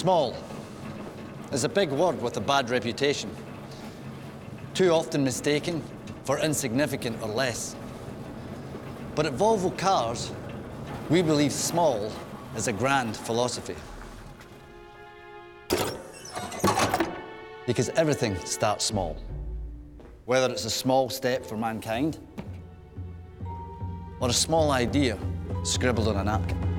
Small is a big word with a bad reputation, too often mistaken for insignificant or less. At Volvo Cars, we believe small is a grand philosophy. Everything starts small, whether it's a small step for mankind or a small idea scribbled on a napkin.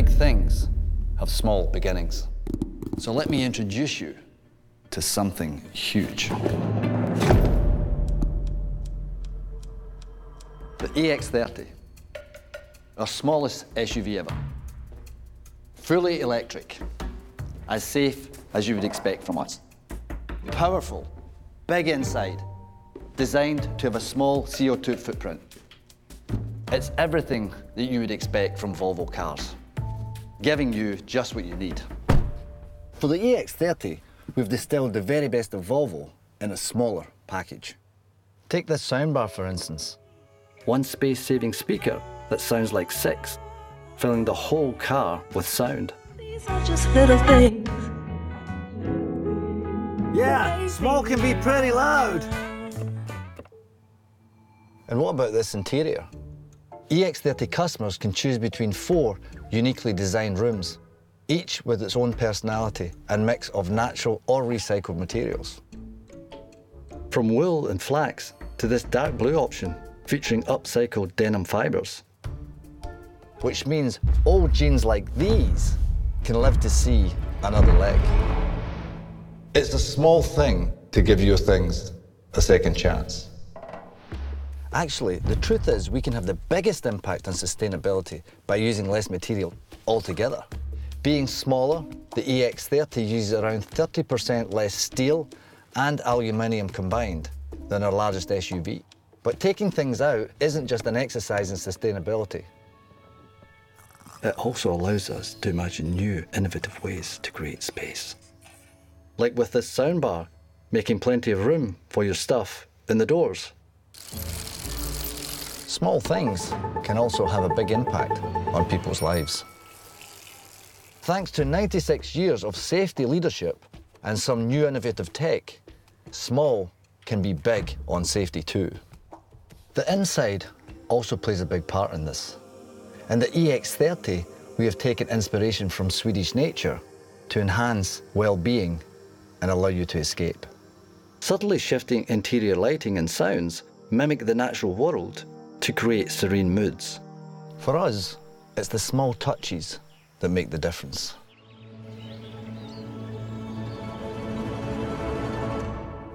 Big things have small beginnings. Let me introduce you to something huge. The EX30, our smallest SUV ever. Fully electric, as safe as you would expect from us. Powerful, big inside, designed to have a small CO2 footprint. It's everything that you would expect from Volvo Cars, giving you just what you need. For the EX30, we've distilled the very best of Volvo in a smaller package. Take this soundbar, for instance, one space-saving speaker that sounds like six, filling the whole car with sound. These are just little things. Yeah, small can be pretty loud! What about this interior? EX30 customers can choose between four uniquely designed rooms, each with its own personality and mix of natural or recycled materials. From wool and flax to this dark blue option, featuring upcycled denim fibers, which means old jeans like these can live to see another leg. It's a small thing to give your things a second chance. Actually, the truth is, we can have the biggest impact on sustainability by using less material altogether. Being smaller, the EX30 uses around 30% less steel and aluminum combined than our largest SUV. Taking things out isn't just an exercise in sustainability. It also allows us to imagine new, innovative ways to create space, like with this soundbar, making plenty of room for your stuff in the doors. Small things can also have a big impact on people's lives. Thanks to 96 years of safety leadership and some new innovative tech, small can be big on safety, too. The inside also plays a big part in this. In the EX30, we have taken inspiration from Swedish nature to enhance well-being and allow you to escape. Subtly shifting interior lighting and sounds mimic the natural world to create serene moods. For us, it's the small touches that make the difference.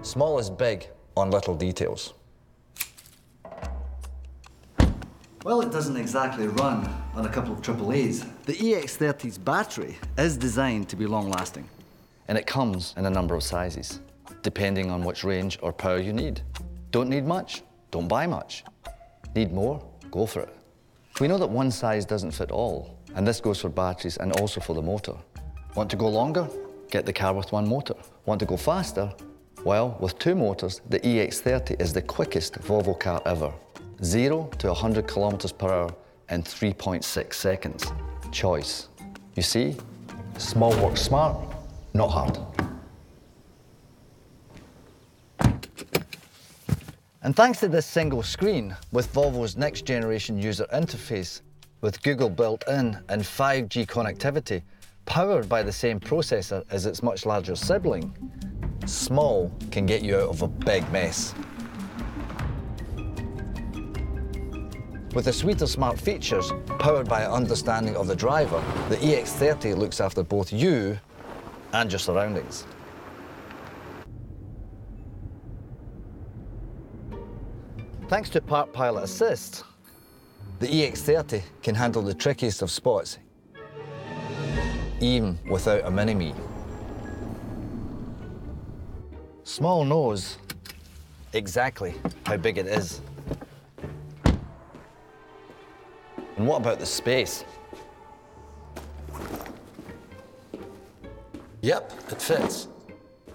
Small is big on little details. While it doesn't exactly run on a couple of triple A's, the EX30's battery is designed to be long-lasting, and it comes in a number of sizes, depending on which range or power you need. Don't need much? Don't buy much. Need more? Go for it. We know that 1 size doesn't fit all, and this goes for batteries, and also for the motor. Want to go longer? Get the car with one motor. Want to go faster? Well, with two motors, the EX30 is the quickest Volvo car ever. 0-100 km/h in 3.6 seconds. Choice. You see? Small works smart, not hard. Thanks to this single screen, with Volvo's next generation user interface, with Google built in and 5G connectivity, powered by the same processor as its much larger sibling, small can get you out of a big mess. With a suite of smart features, powered by an understanding of the driver, the EX30 looks after both you and your surroundings. Thanks to Park Pilot Assist, the EX30 can handle the trickiest of spots, even without a Mini Me. Small knows exactly how big it is. What about the space? Yep, it fits.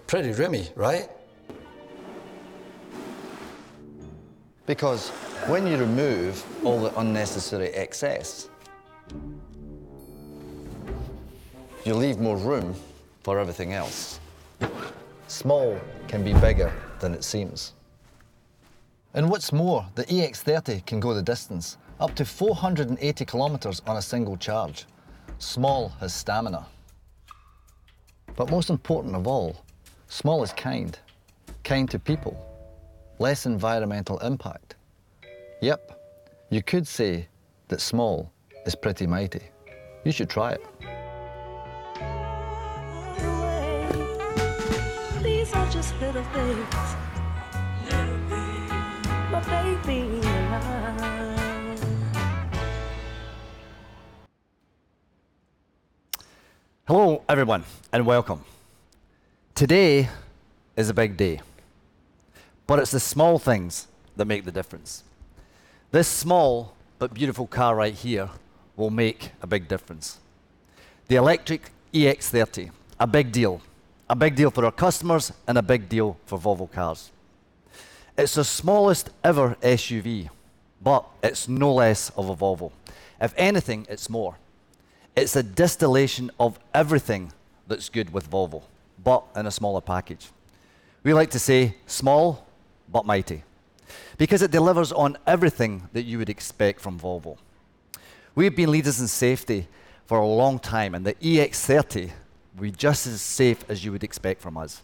Pretty roomy, right? Because when you remove all the unnecessary excess, you leave more room for everything else. Small can be bigger than it seems. What's more, the EX30 can go the distance, up to 480 km on a single charge. Small has stamina. Most important of all, small is kind. Kind to people, less environmental impact. Yep, you could say that small is pretty mighty. You should try it. These are just little things. Little things. My baby and I. Hello, everyone. Welcome. Today is a big day. It's the small things that make the difference. This small but beautiful car right here will make a big difference. The electric EX30, a big deal. A big deal for our customers, and a big deal for Volvo Cars. It's the smallest ever SUV, but it's no less of a Volvo. If anything, it's more. It's a distillation of everything that's good with Volvo, but in a smaller package. We like to say, "Small but mighty," because it delivers on everything that you would expect from Volvo. We've been leaders in safety for a long time, and the EX30 will be just as safe as you would expect from us.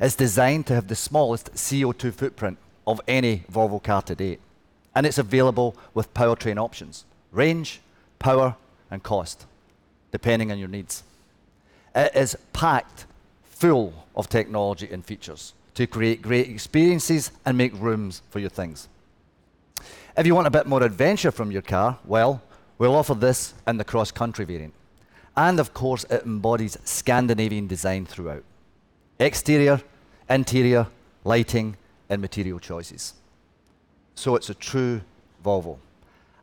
It's designed to have the smallest CO2 footprint of any Volvo car to date, and it's available with powertrain options: range, power, and cost, depending on your needs. It is packed full of technology and features to create great experiences and make rooms for your things. If you want a bit more adventure from your car, well, we'll offer this in the Cross Country variant. Of course, it embodies Scandinavian design throughout: exterior, interior, lighting, and material choices. It's a true Volvo.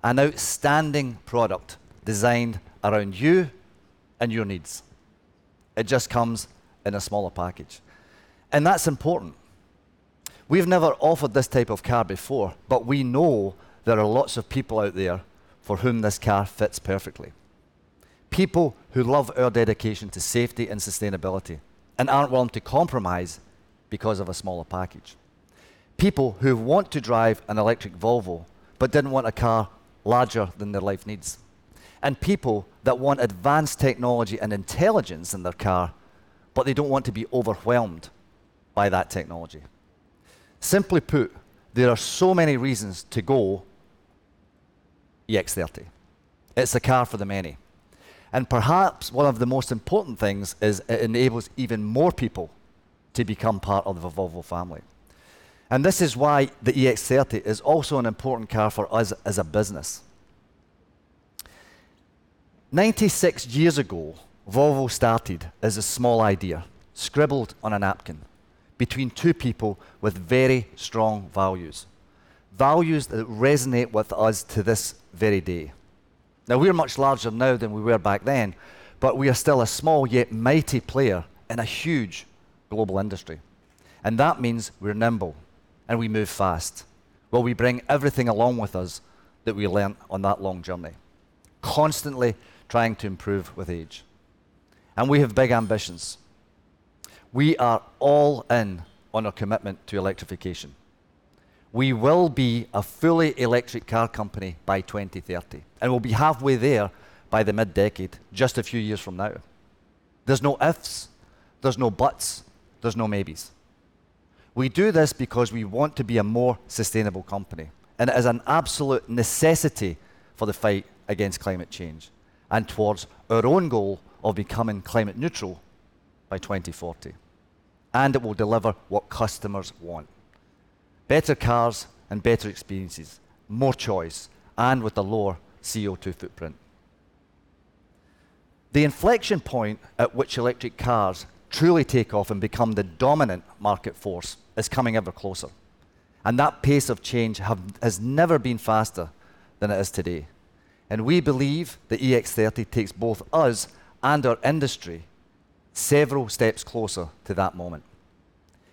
An outstanding product designed around you and your needs. It just comes in a smaller package, and that's important. We've never offered this type of car before, but we know there are lots of people out there for whom this car fits perfectly. People who love our dedication to safety and sustainability, and aren't willing to compromise because of a smaller package. People who want to drive an electric Volvo, but didn't want a car larger than their life needs. People that want advanced technology and intelligence in their car, but they don't want to be overwhelmed by that technology. Simply put, there are so many reasons to go EX30. It's a car for the many. Perhaps one of the most important things is it enables even more people to become part of the Volvo family. This is why the EX30 is also an important car for us as a business. 96 years ago, Volvo started as a small idea, scribbled on a napkin between two people with very strong values that resonate with us to this very day. We are much larger now than we were back then, but we are still a small yet mighty player in a huge global industry. That means we're nimble, and we move fast, while we bring everything along with us that we learned on that long journey, constantly trying to improve with age. We have big ambitions. We are all in on our commitment to electrification. We will be a fully electric car company by 2030, and we'll be halfway there by the mid-decade, just a few years from now. There's no ifs, there's no buts, there's no maybes. We do this because we want to be a more sustainable company, and it is an absolute necessity for the fight against climate change and towards our own goal of becoming climate neutral by 2040. It will deliver what customers want: better cars and better experiences, more choice, and with a lower CO2 footprint. The inflection point at which electric cars truly take off and become the dominant market force is coming ever closer, and that pace of change has never been faster than it is today. We believe the EX30 takes both us and our industry several steps closer to that moment.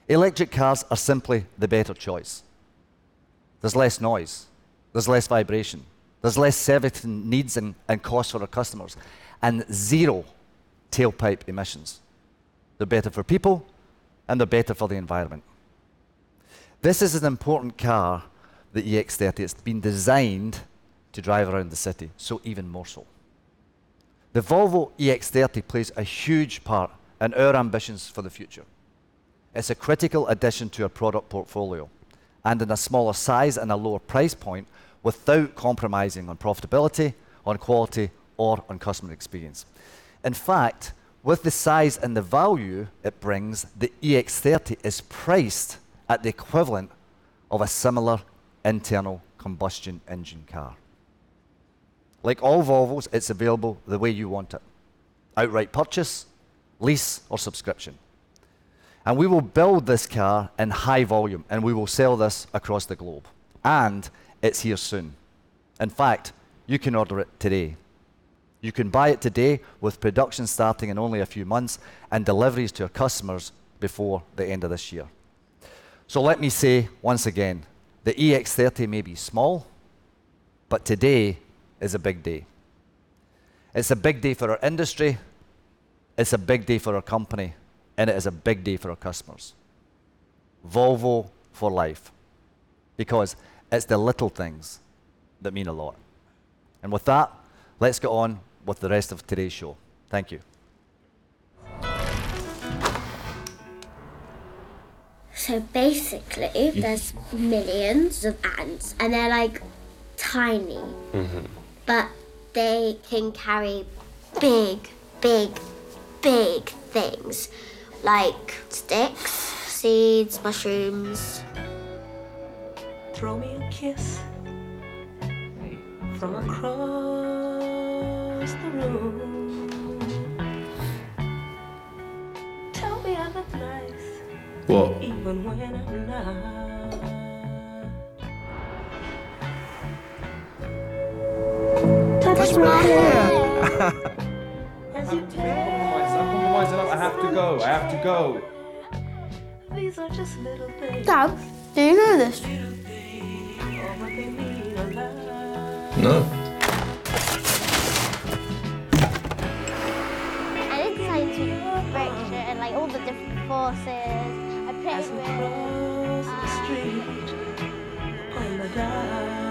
Electric cars are simply the better choice. There's less noise, there's less vibration, there's less servicing needs and costs for our customers, and zero tailpipe emissions. They're better for people, and they're better for the environment. This is an important car, the EX30. It's been designed to drive around the city, so even more so. The Volvo EX30 plays a huge part in our ambitions for the future. It's a critical addition to our product portfolio, in a smaller size and a lower price point, without compromising on profitability, on quality, or on customer experience. In fact, with the size and the value it brings, the EX30 is priced at the equivalent of a similar internal combustion engine car. Like all Volvos, it's available the way you want it: outright purchase, lease, or subscription. We will build this car in high volume, and we will sell this across the globe, and it's here soon. In fact, you can order it today. You can buy it today, with production starting in only a few months, and deliveries to our customers before the end of this year. Let me say once again, the EX30 may be small, but today is a big day. It's a big day for our industry, it's a big day for our company, and it is a big day for our customers. Volvo for Life, because it's the little things that mean a lot. With that, let's get on with the rest of today's show. Thank you. So basically- Mm-hmm. there's millions of ants, and they're, like, tiny. Mm-hmm. They can carry big, big, big things like sticks, seeds, mushrooms. Throw me a kiss from across the room. That's nice. Well. Even when I'm not. That's my hair! I'm compromising. I have to go. These are just little things. Dad, do you know this? Little things, but they mean a lot. No. I need science with friction, and, like, all the different forces. I put them in. As I cross the street, when I doubt. These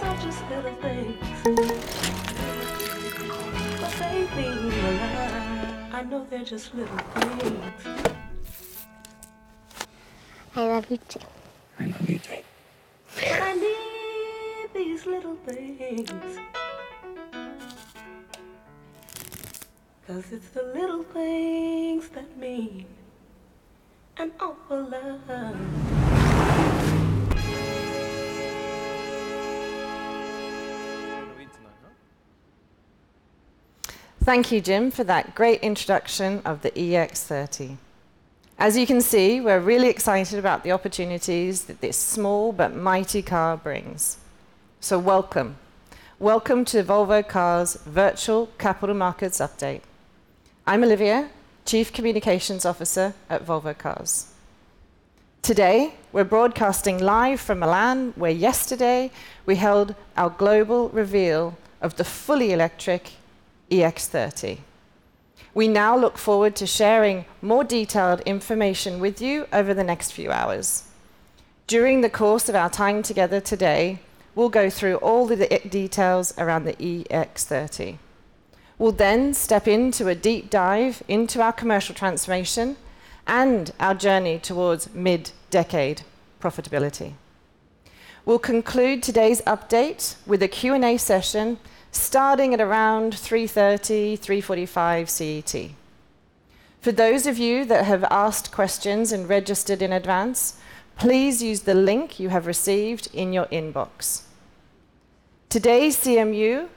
are just little things, but they mean a lot. I know they're just little things. I love you, too. I need these little things. 'Cause it's the little things that mean an awful lot. -gonna eat tonight, huh? Thank you, Jim, for that great introduction of the EX30. As you can see, we're really excited about the opportunities that this small but mighty car brings. Welcome. Welcome to Volvo Cars' Virtual Capital Markets Update. I'm Olivia, Chief Communications Officer at Volvo Cars. Today, we're broadcasting live from Milan, where yesterday we held our global reveal of the fully electric EX30. We now look forward to sharing more detailed information with you over the next few hours. During the course of our time together today, we'll go through all the details around the EX30. We'll step into a deep dive into our commercial transformation and our journey towards mid-decade profitability. We'll conclude today's update with a Q&A session starting at around 3:30, 3:45 CET. For those of you that have asked questions and registered in advance, please use the link you have received in your inbox. Today's CMU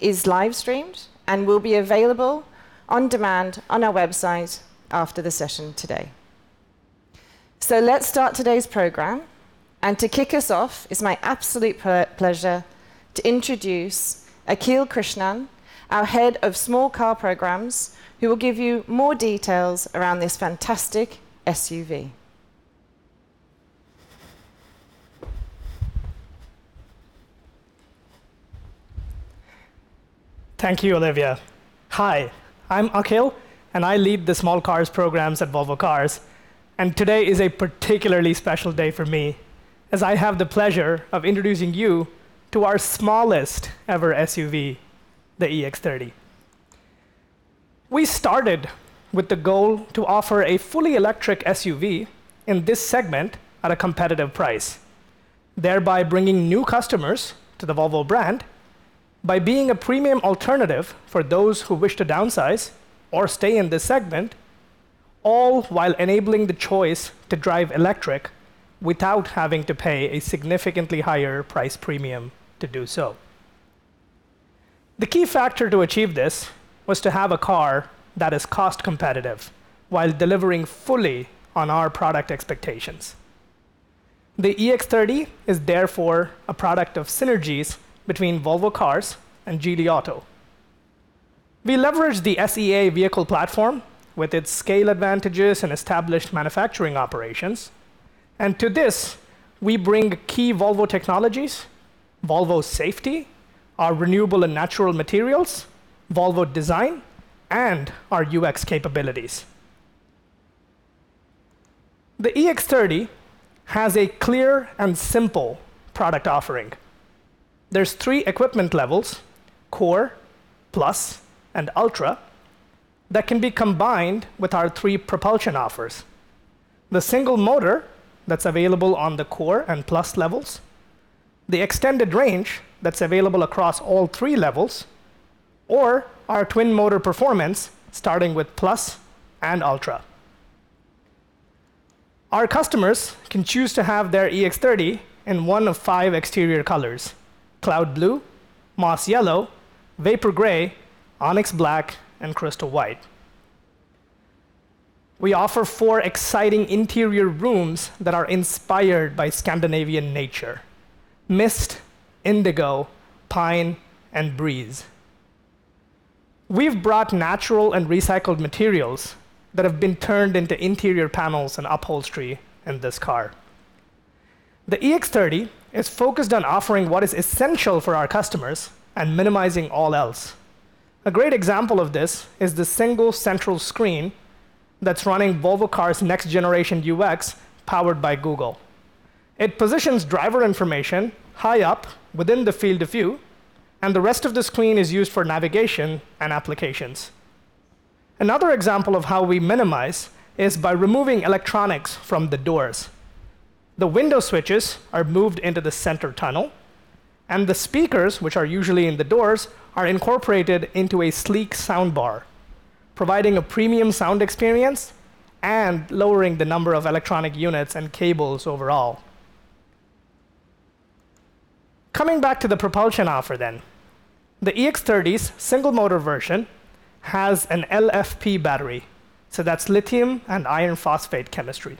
is live streamed and will be available on demand on our website after the session today. Let's start today's program, and to kick us off, it's my absolute pleasure to introduce Akhil Krishnan, our Head of Small Car Programs, who will give you more details around this fantastic SUV. Thank you, Olivia. Hi, I'm Akhil, and I lead the Small Car Programs at Volvo Cars, and today is a particularly special day for me, as I have the pleasure of introducing you to our smallest ever SUV, the EX30. We started with the goal to offer a fully electric SUV in this segment at a competitive price, thereby bringing new customers to the Volvo brand by being a premium alternative for those who wish to downsize or stay in this segment, all while enabling the choice to drive electric without having to pay a significantly higher price premium to do so. The key factor to achieve this was to have a car that is cost competitive while delivering fully on our product expectations. The EX30 is therefore a product of synergies between Volvo Cars and Geely Auto. We leveraged the SEA vehicle platform with its scale advantages and established manufacturing operations, and to this, we bring key Volvo technologies, Volvo safety, our renewable and natural materials, Volvo design, and our UX capabilities. The EX30 has a clear and simple product offering. There's three equipment levels, Core, Plus, and Ultra, that can be combined with our three propulsion offers: the single motor that's available on the Core and Plus levels, the extended range that's available across all three levels, or our twin motor performance, starting with Plus and Ultra. Our customers can choose to have their EX30 in one of five exterior colors: Cloud Blue, Moss Yellow, Vapour Grey, Onyx Black, and Crystal White. We offer four exciting interior rooms that are inspired by Scandinavian nature: Mist, Indigo, Pine, and Breeze. We've brought natural and recycled materials that have been turned into interior panels and upholstery in this car. The EX30 is focused on offering what is essential for our customers and minimizing all else. A great example of this is the single central screen that's running Volvo Cars' next generation UX, powered by Google. It positions driver information high up within the field of view, and the rest of the screen is used for navigation and applications. Another example of how we minimize is by removing electronics from the doors. The window switches are moved into the center tunnel, and the speakers, which are usually in the doors, are incorporated into a sleek soundbar, providing a premium sound experience and lowering the number of electronic units and cables overall. Coming back to the propulsion offer, the EX30's single motor version has an LFP battery, so that's lithium and iron phosphate chemistry.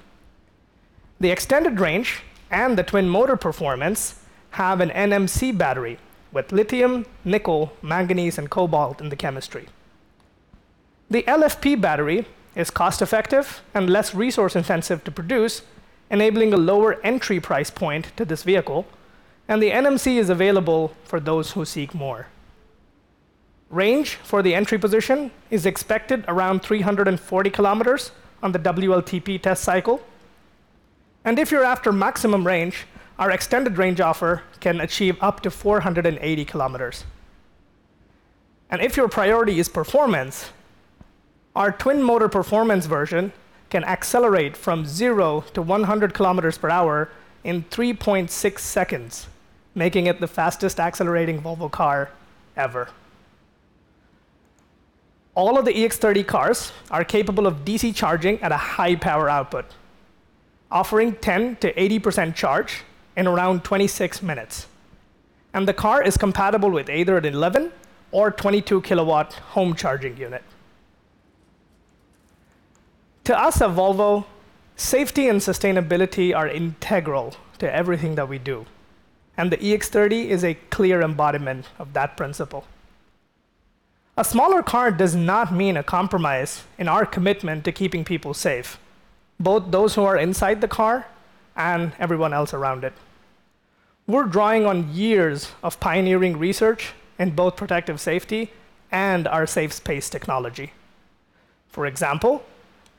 The extended range and the twin motor performance have an NMC battery, with lithium, nickel, manganese, and cobalt in the chemistry. The LFP battery is cost-effective and less resource-intensive to produce, enabling a lower entry price point to this vehicle, and the NMC is available for those who seek more. Range for the entry position is expected around 340 km on the WLTP test cycle. If you're after maximum range, our extended range offer can achieve up to 480 km. If your priority is performance, our twin motor performance version can accelerate from 0 to 100 km/h in 3.6 seconds, making it the fastest accelerating Volvo car ever. All of the EX30 cars are capable of DC charging at a high power output, offering 10%-80% charge in around 26 minutes. The car is compatible with either an 11 or 22 kW home charging unit. To us at Volvo, safety and sustainability are integral to everything that we do. The EX30 is a clear embodiment of that principle. A smaller car does not mean a compromise in our commitment to keeping people safe, both those who are inside the car and everyone else around it. We're drawing on years of pioneering research in both protective safety and our Safe Space Technology. For example,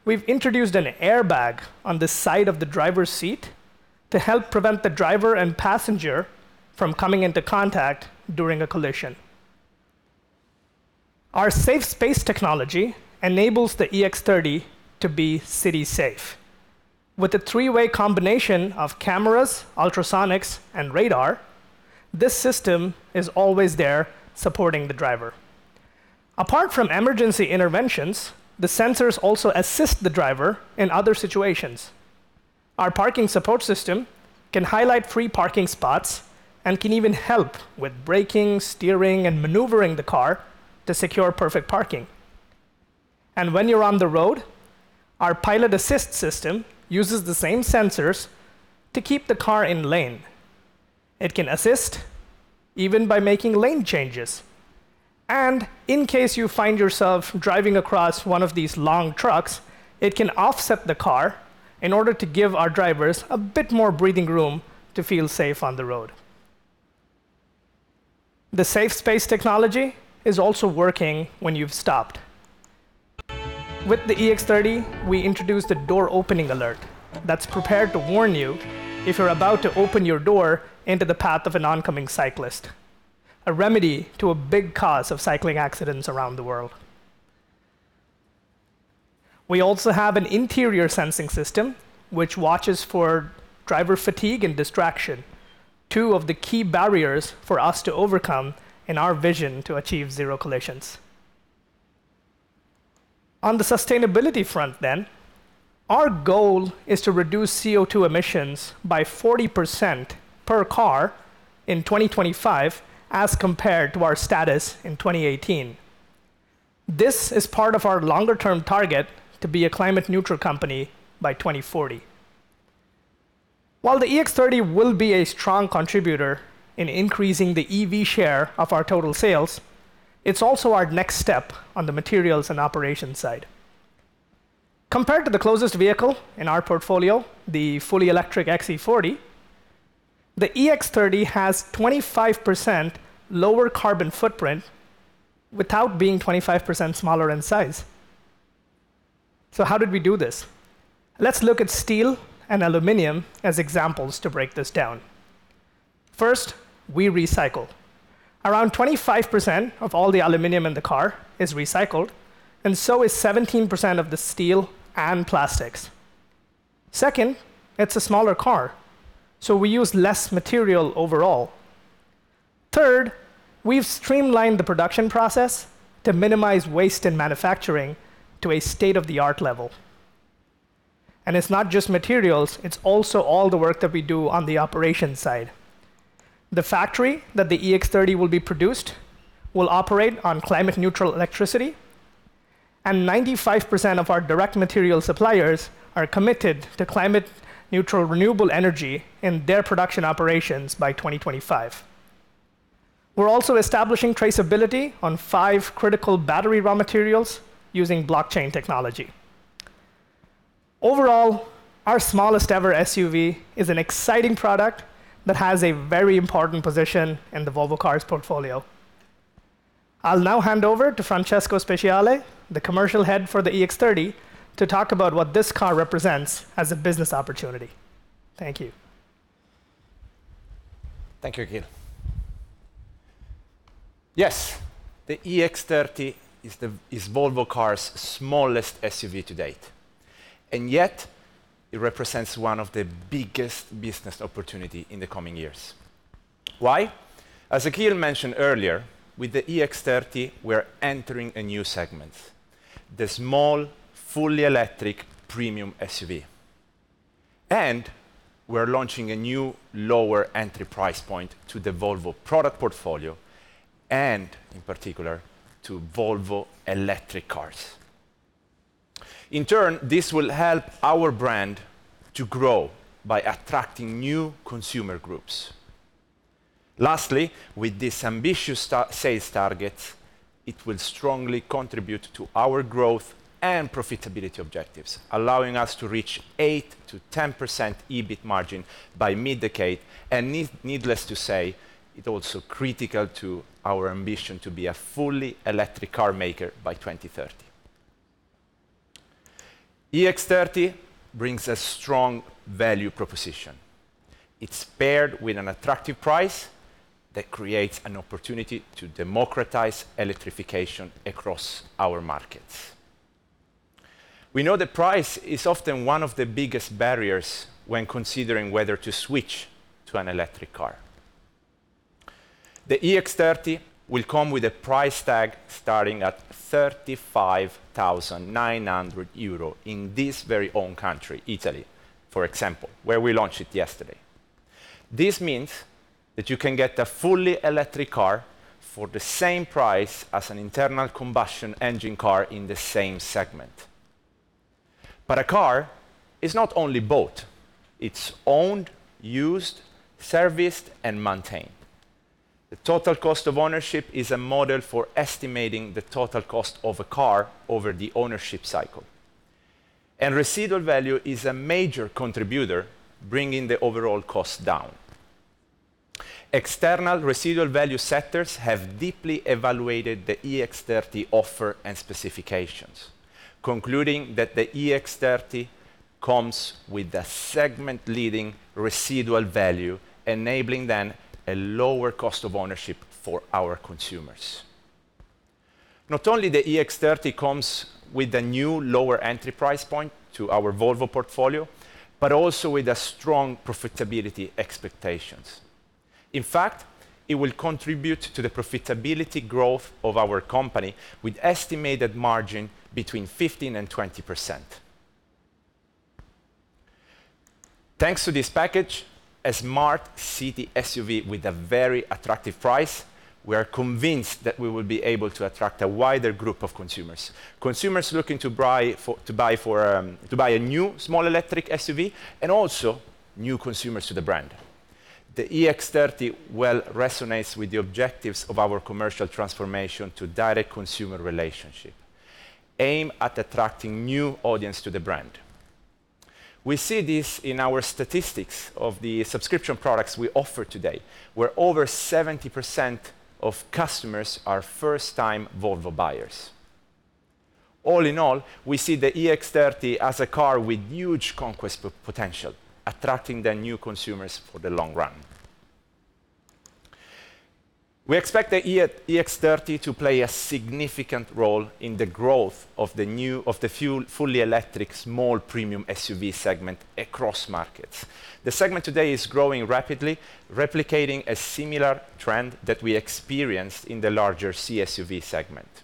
we've introduced an airbag on the side of the driver's seat to help prevent the driver and passenger from coming into contact during a collision. Our Safe Space Technology enables the EX30 to be city safe. With a three-way combination of cameras, ultrasonics, and radar, this system is always there supporting the driver. Apart from emergency interventions, the sensors also assist the driver in other situations. Our parking support system can highlight free parking spots and can even help with braking, steering, and maneuvering the car to secure perfect parking. When you're on the road, our Pilot Assist system uses the same sensors to keep the car in lane. It can assist even by making lane changes, and in case you find yourself driving across one of these long trucks, it can offset the car in order to give our drivers a bit more breathing room to feel safe on the road. The Safe Space Technology is also working when you've stopped. With the EX30, we introduced a door opening alert that's prepared to warn you if you're about to open your door into the path of an oncoming cyclist, a remedy to a big cause of cycling accidents around the world. We also have an interior sensing system, which watches for driver fatigue and distraction, two of the key barriers for us to overcome in our vision to achieve zero collisions. On the sustainability front, our goal is to reduce CO2 emissions by 40% per car in 2025, as compared to our status in 2018. This is part of our longer term target to be a climate neutral company by 2040. While the EX30 will be a strong contributor in increasing the EV share of our total sales, it's also our next step on the materials and operations side. Compared to the closest vehicle in our portfolio, the fully electric XC40, the EX30 has 25% lower carbon footprint without being 25% smaller in size. How did we do this? Let's look at steel and aluminum as examples to break this down. First, we recycle. Around 25% of all the aluminum in the car is recycled, and so is 17% of the steel and plastics. Second, it's a smaller car, so we use less material overall. Third, we've streamlined the production process to minimize waste in manufacturing to a state-of-the-art level. It's not just materials, it's also all the work that we do on the operations side. The factory that the EX30 will be produced will operate on climate neutral electricity, and 95% of our direct material suppliers are committed to climate neutral renewable energy in their production operations by 2025. We're also establishing traceability on five critical battery raw materials using blockchain technology. Overall, our smallest ever SUV is an exciting product that has a very important position in the Volvo Cars portfolio. I'll now hand over to Francesco Speciale, the commercial head for the EX30, to talk about what this car represents as a business opportunity. Thank you. Thank you, Akhil. Yes, the EX30 is Volvo Cars' smallest SUV to date, yet it represents one of the biggest business opportunity in the coming years. Why? As Akhil mentioned earlier, with the EX30, we're entering a new segment: the small, fully electric premium SUV. We're launching a new, lower entry price point to the Volvo product portfolio, and in particular, to Volvo electric cars. In turn, this will help our brand to grow by attracting new consumer groups. Lastly, with this ambitious sales target, it will strongly contribute to our growth and profitability objectives, allowing us to reach 8%-10% EBIT margin by mid-decade, needless to say, it's also critical to our ambition to be a fully electric car maker by 2030. EX30 brings a strong value proposition. It's paired with an attractive price that creates an opportunity to democratize electrification across our markets. We know that price is often one of the biggest barriers when considering whether to switch to an electric car. The EX30 will come with a price tag starting at 35,900 euro in this very own country, Italy, for example, where we launched it yesterday. This means that you can get a fully electric car for the same price as an internal combustion engine car in the same segment. A car is not only bought, it's owned, used, serviced, and maintained. The total cost of ownership is a model for estimating the total cost of a car over the ownership cycle, and residual value is a major contributor, bringing the overall cost down. External residual value sectors have deeply evaluated the EX30 offer and specifications, concluding that the EX30 comes with a segment-leading residual value, enabling then a lower cost of ownership for our consumers. Not only the EX30 comes with a new, lower entry price point to our Volvo portfolio, but also with strong profitability expectations. In fact, it will contribute to the profitability growth of our company with estimated margin between 15% and 20%. Thanks to this package, a smart city SUV with a very attractive price, we are convinced that we will be able to attract a wider group of consumers looking to buy for, to buy a new small electric SUV and also new consumers to the brand. The EX30 well resonates with the objectives of our commercial transformation to direct consumer relationship, aimed at attracting new audience to the brand. We see this in our statistics of the subscription products we offer today, where over 70% of customers are first-time Volvo buyers. All in all, we see the EX30 as a car with huge conquest potential, attracting the new consumers for the long run. We expect the EX30 to play a significant role in the growth of the fully electric, small premium SUV segment across markets. The segment today is growing rapidly, replicating a similar trend that we experienced in the larger CSUV segment.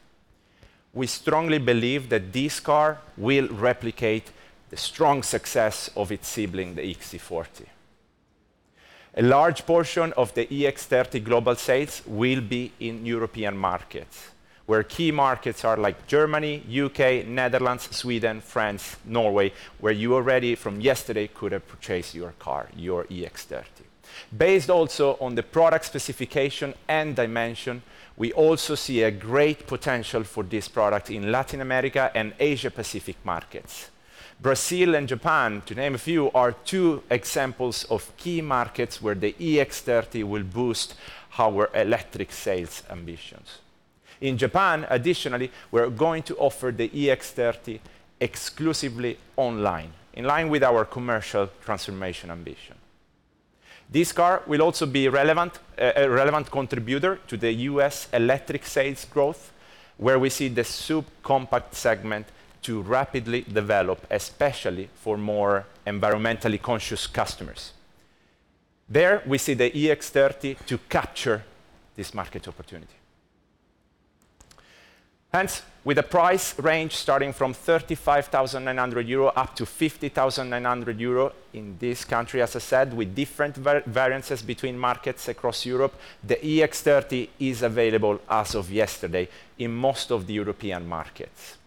We strongly believe that this car will replicate the strong success of its sibling, the XC40. A large portion of the EX30 global sales will be in European markets, where key markets are like Germany, U.K, Netherlands, Sweden, France, Norway, where you already from yesterday could have purchased your car, your EX30. Based also on the product specification and dimension, we also see a great potential for this product in Latin America and Asia Pacific markets. Brazil and Japan, to name a few, are two examples of key markets where the EX30 will boost our electric sales ambitions. In Japan, additionally, we're going to offer the EX30 exclusively online, in line with our commercial transformation ambition. This car will also be a relevant contributor to the US electric sales growth, where we see the sub-compact segment to rapidly develop, especially for more environmentally conscious customers. There, we see the EX30 to capture this market opportunity. With a price range starting from 35,900 euro up to 50,900 euro in this country, as I said, with different variances between markets across Europe, the EX30 is available as of yesterday in most of the European markets.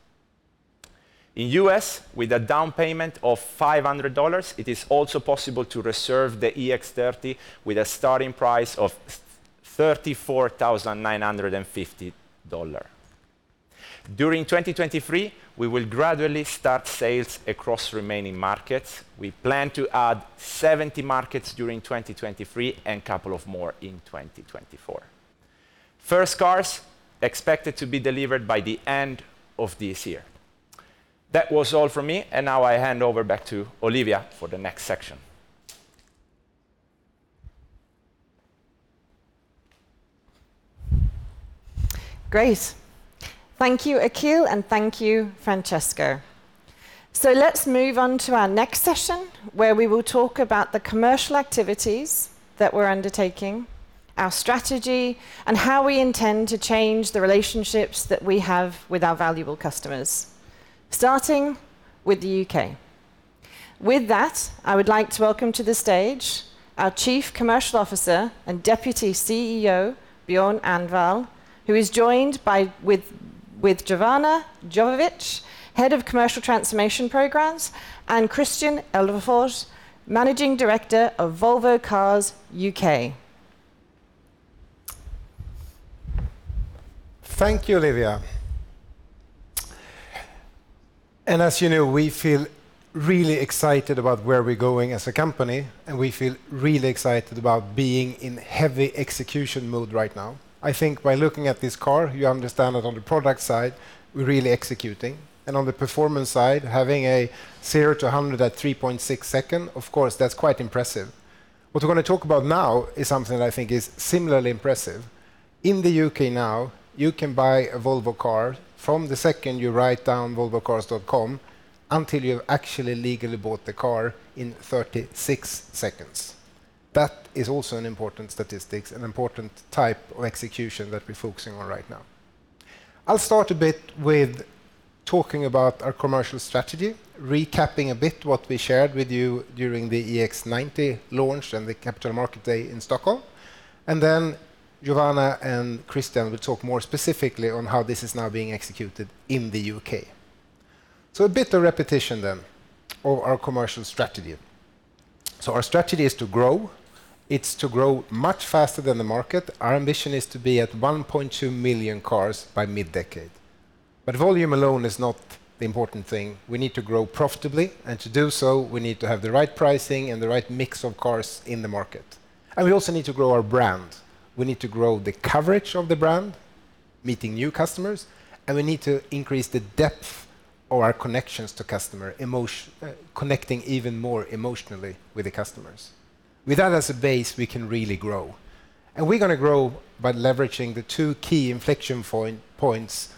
In US, with a down payment of $500, it is also possible to reserve the EX30 with a starting price of $34,950. During 2023, we will gradually start sales across remaining markets. We plan to add 70 markets during 2023 and couple of more in 2024. First cars expected to be delivered by the end of this year. That was all for me, now I hand over back to Olivia for the next section. Great. Thank you, Akhil, and thank you, Francesco. Let's move on to our next session, where we will talk about the commercial activities that we're undertaking, our strategy, and how we intend to change the relationships that we have with our valuable customers, starting with the U.K. With that, I would like to welcome to the stage our Chief Commercial Officer and Deputy CEO, Björn Annwall, who is joined by with Jovana Jovic, Head of Commercial Transformation Programs, and Kristian Elvefors, Managing Director of Volvo Car U.K. As you know, we feel really excited about where we're going as a company, and we feel really excited about being in heavy execution mode right now. I think by looking at this car, you understand that on the product side, we're really executing, and on the performance side, having a 0-100 at 3.6 seconds, of course, that's quite impressive. What we're going to talk about now is something that I think is similarly impressive. In the U.K. now, you can buy a Volvo car from the second you write down volvocars.com until you've actually legally bought the car in 36 seconds. That is also an important statistics and important type of execution that we're focusing on right now. I'll start a bit with talking about our commercial strategy, recapping a bit what we shared with you during the EX90 launch and the Capital Market Day in Stockholm. Jovana and Kristian will talk more specifically on how this is now being executed in the U.K. A bit of repetition then of our commercial strategy. Our strategy is to grow. It's to grow much faster than the market. Our ambition is to be at 1.2 million cars by mid-decade. Volume alone is not the important thing. We need to grow profitably, and to do so, we need to have the right pricing and the right mix of cars in the market. We also need to grow our brand. We need to grow the coverage of the brand, meeting new customers. We need to increase the depth of our connections to customer, connecting even more emotionally with the customers. With that as a base, we can really grow. We're going to grow by leveraging the two key inflection points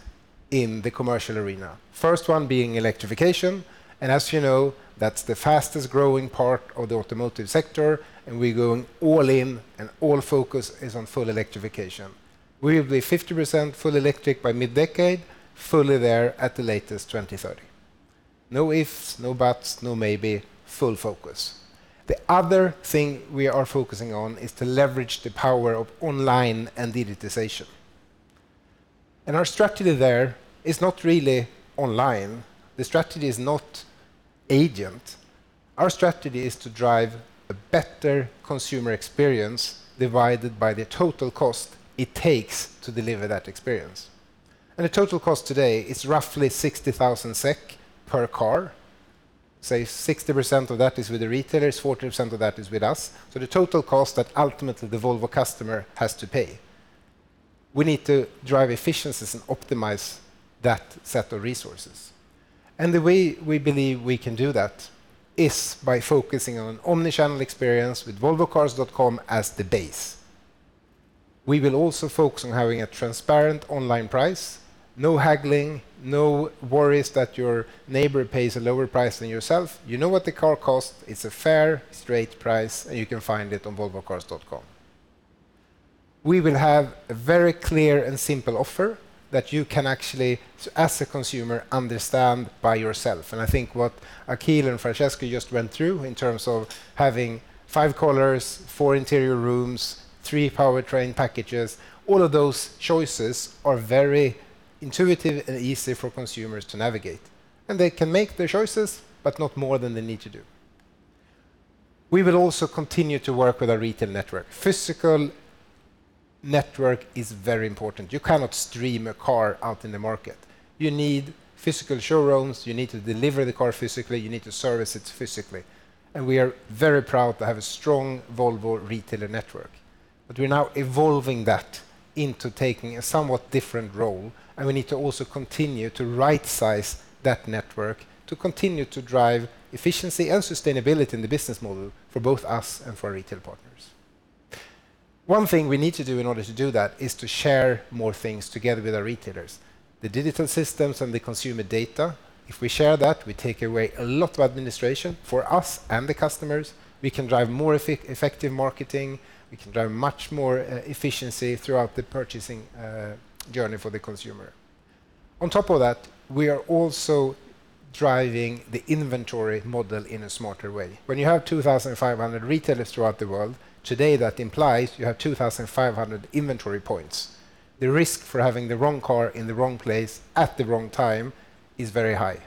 in the commercial arena. First one being electrification. As you know, that's the fastest-growing part of the automotive sector. We're going all in and all focus is on full electrification. We will be 50% full electric by mid-decade, fully there at the latest, 2030. No ifs, no buts, no maybe, full focus. The other thing we are focusing on is to leverage the power of online and digitization. Our strategy there is not really online. The strategy is not agent. Our strategy is to drive a better consumer experience, divided by the total cost it takes to deliver that experience. The total cost today is roughly 60,000 SEK per car. Say, 60% of that is with the retailers, 40% of that is with us. The total cost that ultimately the Volvo customer has to pay. We need to drive efficiencies and optimize that set of resources. The way we believe we can do that is by focusing on an omni-channel experience with volvocars.com as the base. We will also focus on having a transparent online price, no haggling, no worries that your neighbor pays a lower price than yourself. You know what the car costs, it's a fair, straight price, and you can find it on volvocars.com. We will have a very clear and simple offer that you can actually, as a consumer, understand by yourself. I think what Akhil and Francesco just went through in terms of having five colors, four interior rooms, three powertrain packages, all of those choices are very intuitive and easy for consumers to navigate, they can make their choices, but not more than they need to do. We will also continue to work with our retail network. Physical network is very important. You cannot stream a car out in the market. You need physical showrooms, you need to deliver the car physically, you need to service it physically, we are very proud to have a strong Volvo retailer network. We're now evolving that into taking a somewhat different role, and we need to also continue to right-size that network to continue to drive efficiency and sustainability in the business model for both us and for our retail partners. One thing we need to do in order to do that is to share more things together with our retailers, the digital systems and the consumer data. If we share that, we take away a lot of administration for us and the customers. We can drive more effective marketing. We can drive much more efficiency throughout the purchasing journey for the consumer. On top of that, we are also driving the inventory model in a smarter way. When you have 2,500 retailers throughout the world, today, that implies you have 2,500 inventory points. The risk for having the wrong car in the wrong place at the wrong time is very high.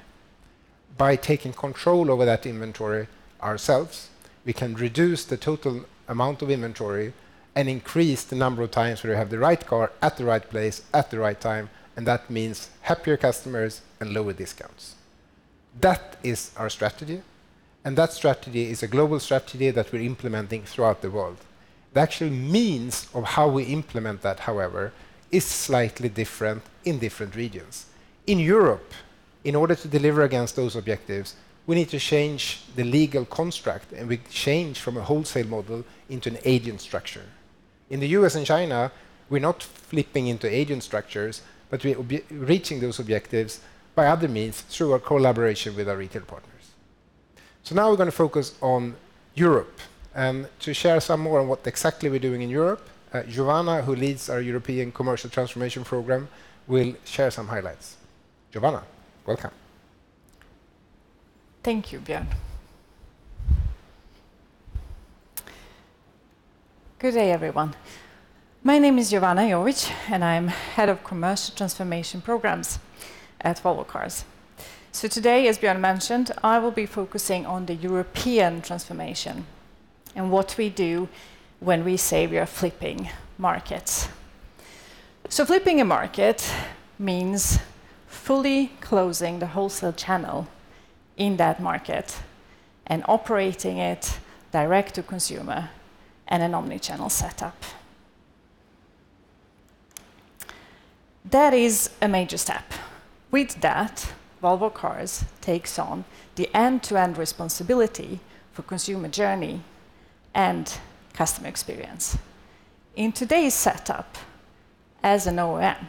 By taking control over that inventory ourselves, we can reduce the total amount of inventory and increase the number of times we have the right car at the right place at the right time. That means happier customers and lower discounts. That is our strategy, and that strategy is a global strategy that we're implementing throughout the world. The actual means of how we implement that, however, is slightly different in different regions. In Europe, in order to deliver against those objectives, we need to change the legal construct. We change from a wholesale model into an agent structure. In the U.S. and China, we're not flipping into agent structures, we'll be reaching those objectives by other means through our collaboration with our retail partners. Now we're gonna focus on Europe. To share some more on what exactly we're doing in Europe, Jovana, who leads our European commercial transformation program, will share some highlights. Jovana, welcome. Thank you, Björn. Good day, everyone. My name is Jovana Jovic, and I'm Head of Commercial Transformation Programs at Volvo Cars. Today, as Björn mentioned, I will be focusing on the European transformation and what we do when we say we are flipping markets. Flipping a market means fully closing the wholesale channel in that market and operating it direct to consumer in an omni-channel setup. That is a major step. With that, Volvo Cars takes on the end-to-end responsibility for consumer journey and customer experience. In today's setup, as an OEM,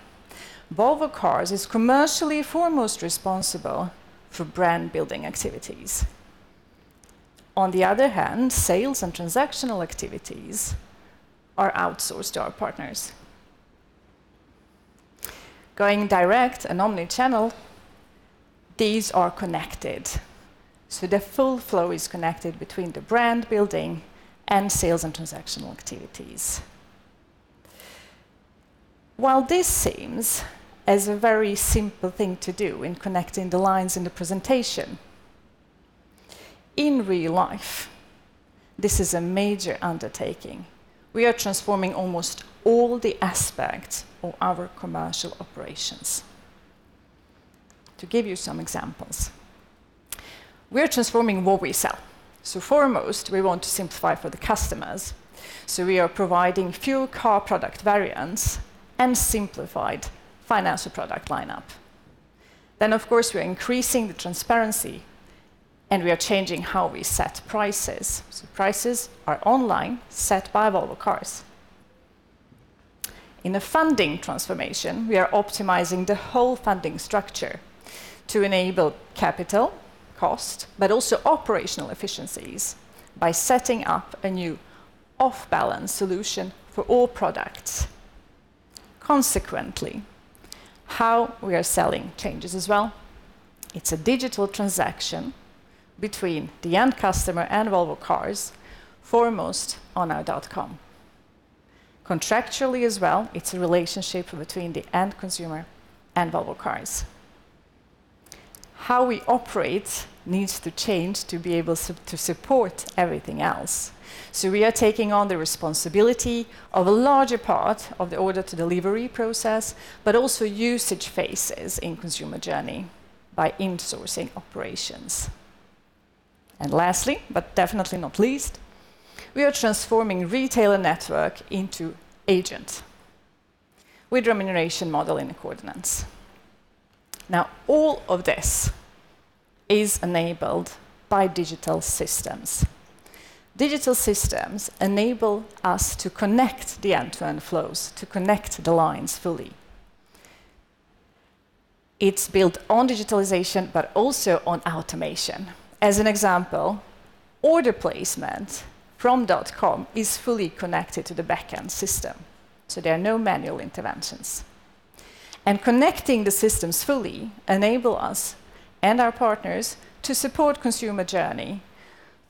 Volvo Cars is commercially foremost responsible for brand-building activities. On the other hand, sales and transactional activities are outsourced to our partners. Going direct and omni-channel, these are connected, so the full flow is connected between the brand building and sales and transactional activities. While this seems as a very simple thing to do in connecting the lines in the presentation, in real life, this is a major undertaking. We are transforming almost all the aspects of our commercial operations. To give you some examples, we are transforming what we sell. Foremost, we want to simplify for the customers, so we are providing few car product variants and simplified financial product line-up. Of course, we're increasing the transparency, and we are changing how we set prices. Prices are online, set by Volvo Cars. In the funding transformation, we are optimizing the whole funding structure to enable capital, cost, but also operational efficiencies by setting up a new off-balance solution for all products. Consequently, how we are selling changes as well. It's a digital transaction between the end customer and Volvo Cars, foremost on our dot-com. Contractually as well, it's a relationship between the end consumer and Volvo Cars. How we operate needs to change to be able to support everything else, so we are taking on the responsibility of a larger part of the order-to-delivery process, but also usage phases in consumer journey by insourcing operations. Lastly, but definitely not least, we are transforming retailer network into agent, with remuneration model in accordance. All of this is enabled by digital systems. Digital systems enable us to connect the end-to-end flows, to connect the lines fully. It's built on digitalization, but also on automation. As an example, order placement from dot-com is fully connected to the back-end system, so there are no manual interventions. Connecting the systems fully enable us and our partners to support consumer journey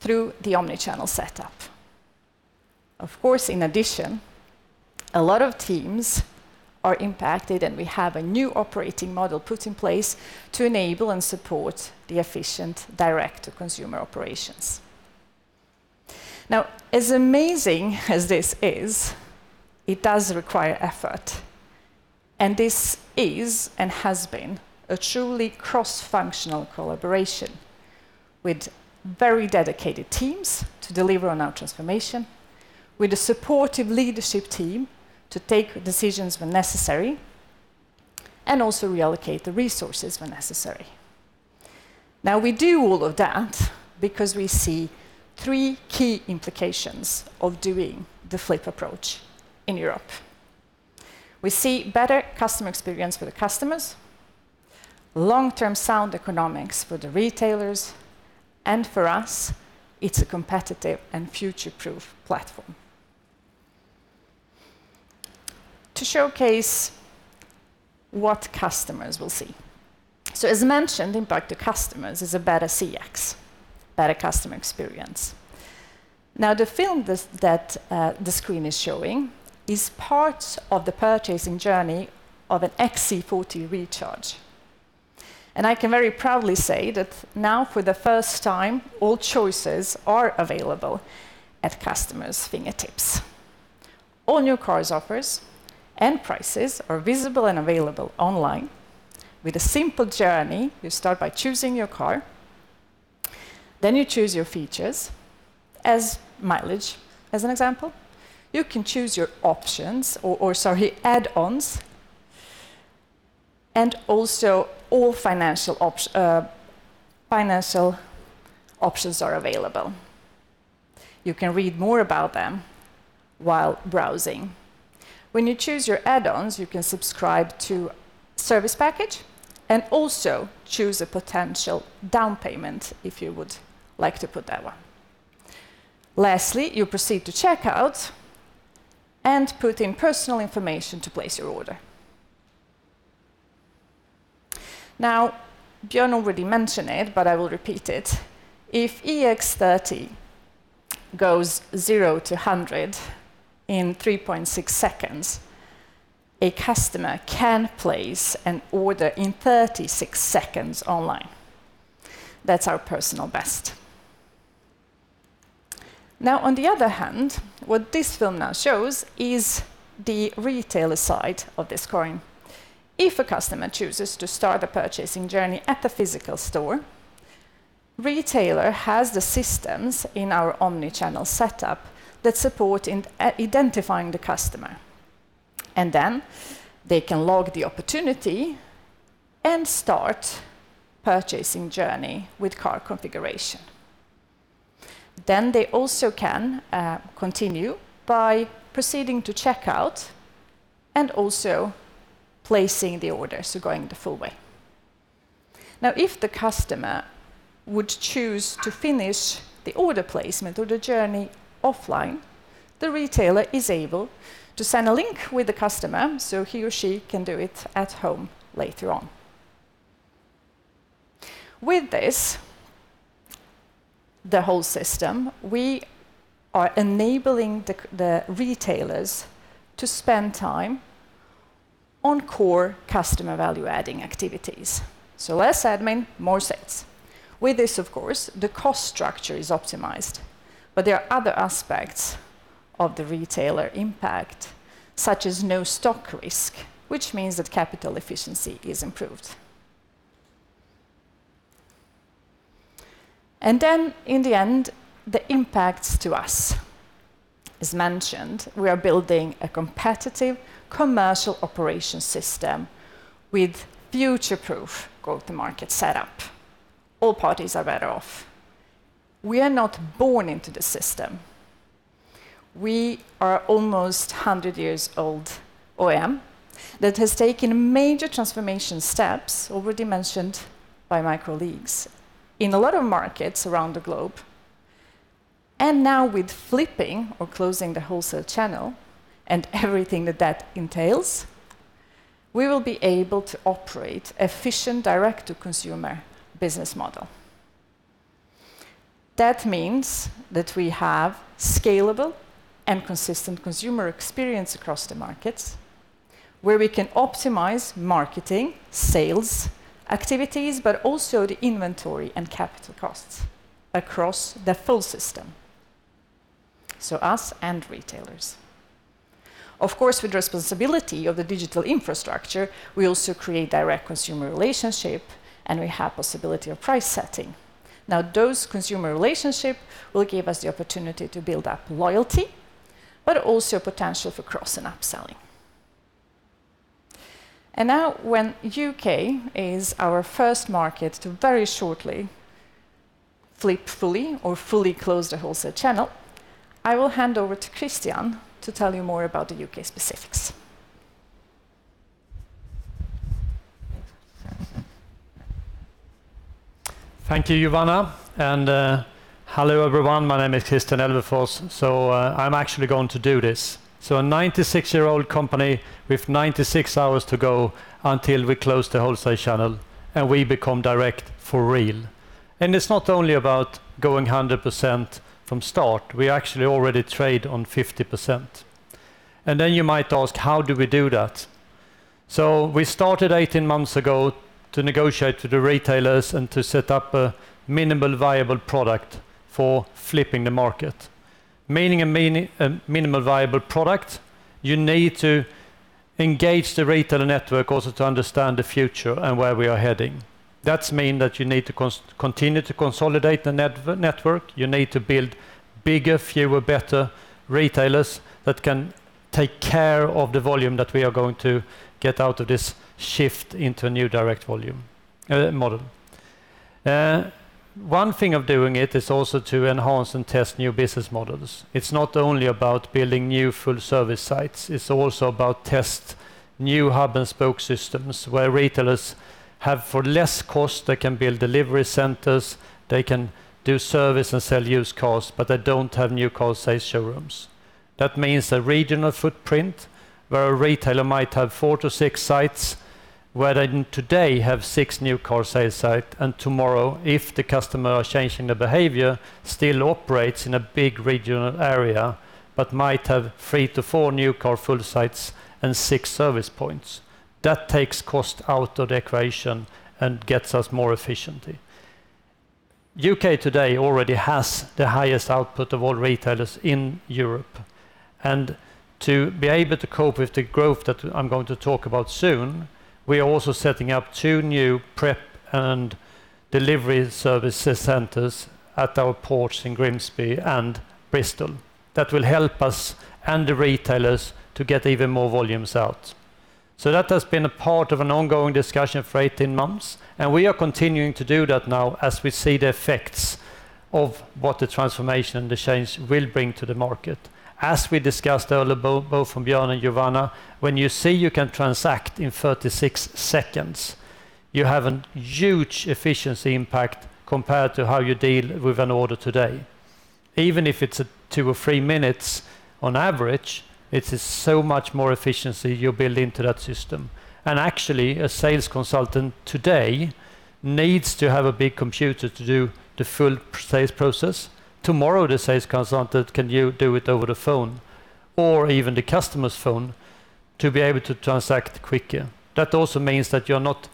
through the omni-channel setup. Of course, in addition, a lot of teams are impacted, and we have a new operating model put in place to enable and support the efficient direct-to-consumer operations. As amazing as this is, it does require effort, and this is and has been a truly cross-functional collaboration with very dedicated teams to deliver on our transformation, with a supportive leadership team to take decisions when necessary, and also reallocate the resources when necessary. We do all of that because we see three key implications of doing the flip approach in Europe. We see better customer experience for the customers, long-term sound economics for the retailers, and for us, it's a competitive and future-proof platform. To showcase what customers will see. As mentioned, impact to customers is a better CX, better customer experience. The film the screen is showing is part of the purchasing journey of an XC40 Recharge. I can very proudly say that now, for the first time, all choices are available at customers' fingertips. All new cars offers and prices are visible and available online with a simple journey. You start by choosing your car, then you choose your features, as mileage, as an example. You can choose your options or add-ons, and also all financial options are available. You can read more about them while browsing. When you choose your add-ons, you can subscribe to service package and also choose a potential down payment if you would like to put that one. Lastly, you proceed to checkout and put in personal information to place your order. Björn already mentioned it, but I will repeat it: if EX30 goes 0-100 in 3.6 seconds, a customer can place an order in 36 seconds online. That's our personal best. On the other hand, what this film now shows is the retailer side of this coin. If a customer chooses to start a purchasing journey at the physical store, retailer has the systems in our omni-channel setup that support in identifying the customer, and they can log the opportunity and start purchasing journey with car configuration. They also can continue by proceeding to checkout, and also placing the order, so going the full way. If the customer would choose to finish the order placement or the journey offline, the retailer is able to send a link with the customer, so he or she can do it at home later on. With this, the whole system, we are enabling the retailers to spend time on core customer value-adding activities. Less admin, more sales. With this, of course, the cost structure is optimized, but there are other aspects of the retailer impact, such as no stock risk, which means that capital efficiency is improved. In the end, the impacts to us. As mentioned, we are building a competitive commercial operation system with future-proof go-to-market setup. All parties are better off. We are not born into the system. We are almost 100-years-old OEM that has taken major transformation steps, already mentioned by my colleagues. In a lot of markets around the globe, now with flipping or closing the wholesale channel and everything that that entails, we will be able to operate efficient direct-to-consumer business model. That means that we have scalable and consistent consumer experience across the markets, where we can optimize marketing, sales, activities, but also the inventory and capital costs across the full system, so us and retailers. Of course, with responsibility of the digital infrastructure, we also create direct consumer relationship, and we have possibility of price setting. Now, those consumer relationship will give us the opportunity to build up loyalty, but also potential for cross and upselling. Now, when U.K. is our first market to very shortly flip fully or fully close the wholesale channel, I will hand over to Kristian to tell you more about the U.K. specifics. Thank you, Jovana. Hello, everyone. My name is Kristian Elvefors. I'm actually going to do this. A 96-year-old company with 96 hours to go until we close the wholesale channel, and we become direct for real. It's not only about going 100% from start, we actually already trade on 50%. You might ask, "How do we do that?" We started 18 months ago to negotiate with the retailers and to set up a minimum viable product for flipping the market. Meaning a minimum viable product, you need to engage the retailer network also to understand the future and where we are heading. That's mean that you need to continue to consolidate the network, you need to build bigger, fewer, better retailers that can take care of the volume that we are going to get out of this shift into a new direct volume model. One thing of doing it is also to enhance and test new business models. It's not only about building new full-service sites, it's also about test new hub-and-spoke systems, where retailers have, for less cost, they can build delivery centers, they can do service and sell used cars, but they don't have new car sales showrooms. That means a regional footprint, where a retailer might have four to six sites, where they today have six new car sales site, and tomorrow, if the customer are changing their behavior, still operates in a big regional area, but might have three to four new car full sites and six service points. That takes cost out of the equation and gets us more efficiency. U.K. today already has the highest output of all retailers in Europe, and to be able to cope with the growth that I'm going to talk about soon, we are also setting up two new prep and delivery service centers at our ports in Grimsby and Bristol that will help us and the retailers to get even more volumes out. That has been a part of an ongoing discussion for 18 months, and we are continuing to do that now as we see the effects of what the transformation, the change will bring to the market. As we discussed earlier, both from Björn and Jovana, when you say you can transact in 36 seconds, you have a huge efficiency impact compared to how you deal with an order today. Even if it's two or three minutes, on average, it is so much more efficiency you build into that system. Actually, a sales consultant today needs to have a big computer to do the full sales process. Tomorrow, the sales consultant, can you do it over the phone or even the customer's phone to be able to transact quicker. That also means that you're not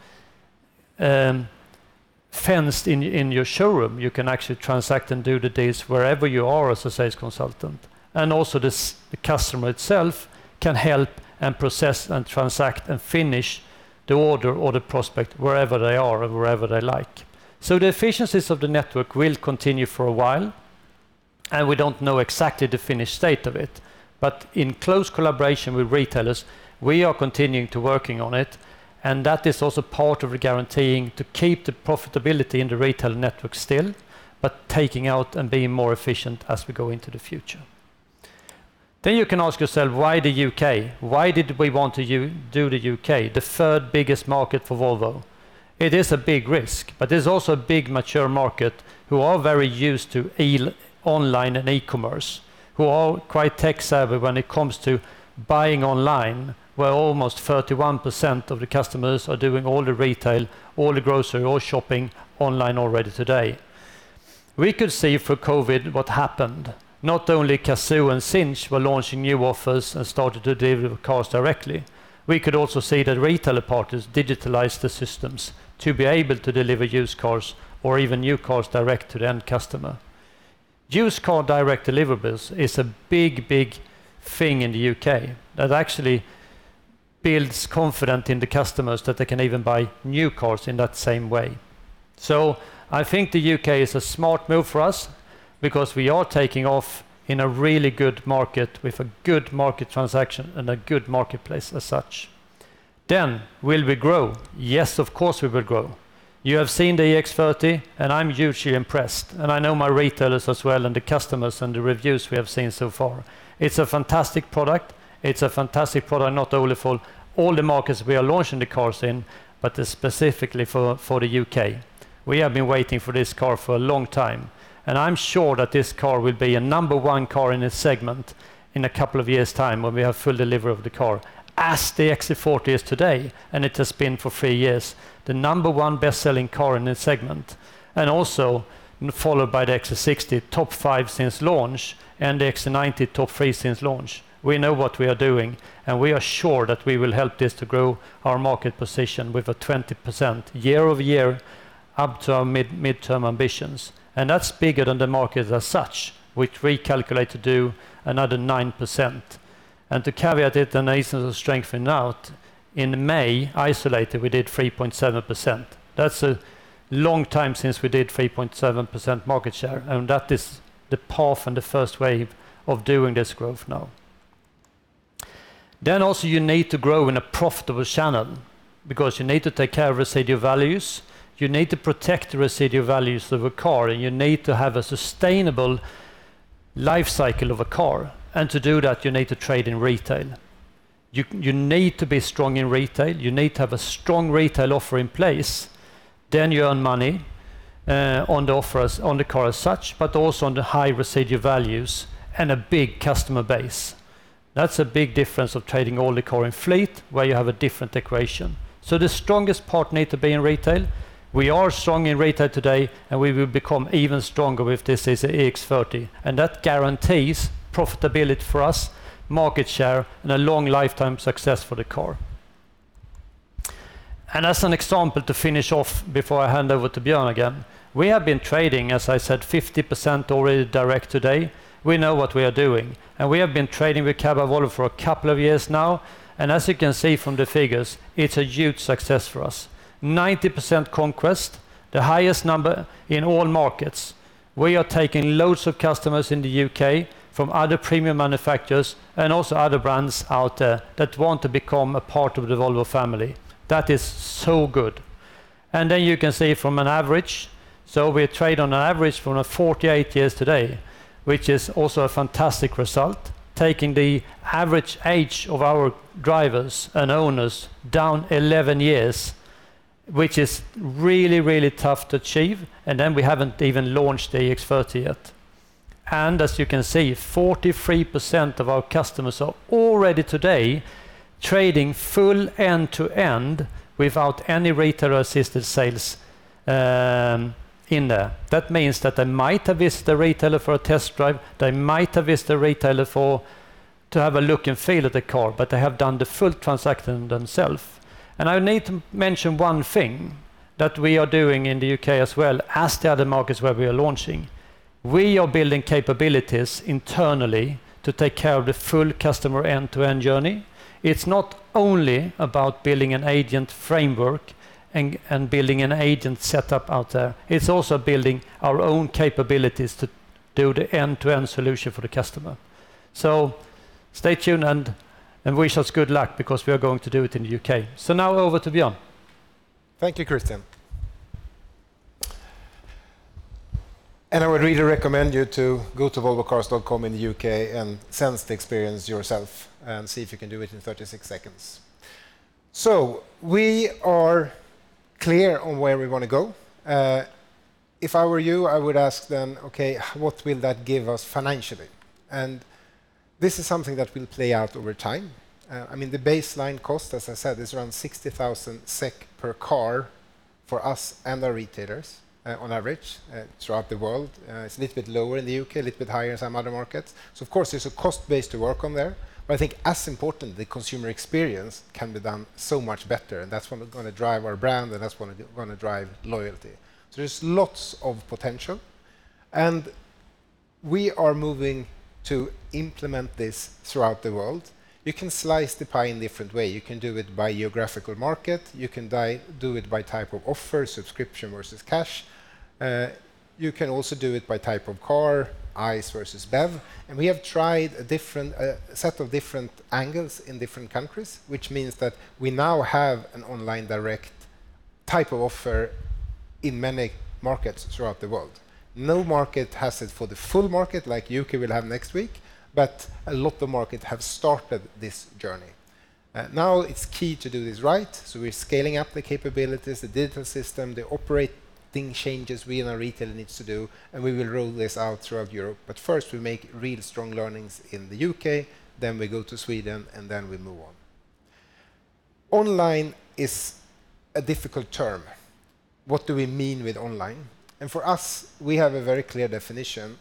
fenced in your showroom. You can actually transact and do the deals wherever you are as a sales consultant. The customer itself can help and process, and transact, and finish the order or the prospect wherever they are and wherever they like. The efficiencies of the network will continue for a while, and we don't know exactly the finished state of it. In close collaboration with retailers, we are continuing to working on it, and that is also part of guaranteeing to keep the profitability in the retail network still, but taking out and being more efficient as we go into the future. You can ask yourself, why the U.K.? Why did we want to do the U.K., the third biggest market for Volvo? It is a big risk, it's also a big, mature market who are very used to online and e-commerce, who are quite tech-savvy when it comes to buying online, where almost 31% of the customers are doing all the retail, all the grocery, all shopping online already today. We could see through COVID what happened. Not only Cazoo and Cinch were launching new offers and started to deliver cars directly, we could also see that retailer partners digitalized the systems to be able to deliver used cars or even new cars direct to the end customer. Used car direct deliverables is a big, big thing in the U.K, that actually builds confidence in the customers that they can even buy new cars in that same way. I think the U.K. is a smart move for us because we are taking off in a really good market with a good market transaction and a good marketplace as such. Will we grow? Yes, of course, we will grow. You have seen the EX30, and I'm hugely impressed, and I know my retailers as well, and the customers, and the reviews we have seen so far. It's a fantastic product, not only for all the markets we are launching the cars in, but specifically for the U.K. We have been waiting for this car for a long time, I'm sure that this car will be a number one car in its segment in a couple of years' time when we have full delivery of the car, as the XC40 is today, it has been for three years, the number one best-selling car in its segment, also followed by the XC60, top five since launch, and the XC90, top three since launch. We know what we are doing, we are sure that we will help this to grow our market position with a 20% year-over-year, up to our mid- midterm ambitions. That's bigger than the market as such, which we calculate to do another 9%. To caveat it, the nations are strengthening out. In May, isolated, we did 3.7%. That's a long time since we did 3.7% market share, and that is the path and the first wave of doing this growth now. Also, you need to grow in a profitable channel because you need to take care of residual values, you need to protect the residual values of a car, and you need to have a sustainable life cycle of a car. To do that, you need to trade in retail. You need to be strong in retail. You need to have a strong retail offer in place. You earn money on the offers, on the car as such, but also on the high residual values and a big customer base. That's a big difference of trading all the car in fleet, where you have a different equation. The strongest part need to be in retail. We are strong in retail today. We will become even stronger with this EX30. That guarantees profitability for us, market share, and a long lifetime success for the car. As an example, to finish off before I hand over to Björn Annwall again, we have been trading, as I said, 50% already direct today. We know what we are doing, and we have been trading with Care by Volvo for a couple of years now, and as you can see from the figures, it's a huge success for us. 90% conquest, the highest number in all markets. We are taking loads of customers in the U.K. from other premium manufacturers and also other brands out there that want to become a part of the Volvo family. That is so good. You can see from an average, we trade on an average from a 48 years today, which is also a fantastic result, taking the average age of our drivers and owners down 11 years, which is really, really tough to achieve, we haven't even launched the EX30 yet. You can see, 43% of our customers are already today trading full end-to-end without any retail-assisted sales in there. That means that they might have visited a retailer for a test drive, they might have visited a retailer to have a look and feel of the car, but they have done the full transaction themselves. I need to mention one thing that we are doing in the U.K as well, as the other markets where we are launching. We are building capabilities internally to take care of the full customer end-to-end journey. It's not only about building an agent framework and building an agent set up out there, it's also building our own capabilities to do the end-to-end solution for the customer. Stay tuned and wish us good luck because we are going to do it in the U.K. Now over to Björn. Thank you, Kristian. I would really recommend you to go to volvocars.com in the U.K and sense the experience yourself and see if you can do it in 36 seconds. We are clear on where we want to go. If I were you, I would ask then, "Okay, what will that give us financially?" This is something that will play out over time. I mean, the baseline cost, as I said, is around 60,000 SEK per car for us and our retailers, on average, throughout the world. It's a little bit lower in the U.K, a little bit higher in some other markets. Of course, there's a cost base to work on there. I think as important, the consumer experience can be done so much better, and that's what is going to drive our brand, and that's what is going to drive loyalty. There's lots of potential, and we are moving to implement this throughout the world. You can slice the pie in different way. You can do it by geographical market, you can do it by type of offer, subscription versus cash, you can also do it by type of car, ICE versus BEV. We have tried a different set of different angles in different countries, which means that we now have an online direct type of offer in many markets throughout the world. No market has it for the full market like U.K will have next week, but a lot of markets have started this journey. Now it's key to do this right, so we're scaling up the capabilities, the digital system, the operating changes we and our retailer needs to do, and we will roll this out throughout Europe. First, we make really strong learnings in the U.K., then we go to Sweden, and then we move on. Online is a difficult term. What do we mean with online? For us, we have a very clear definition.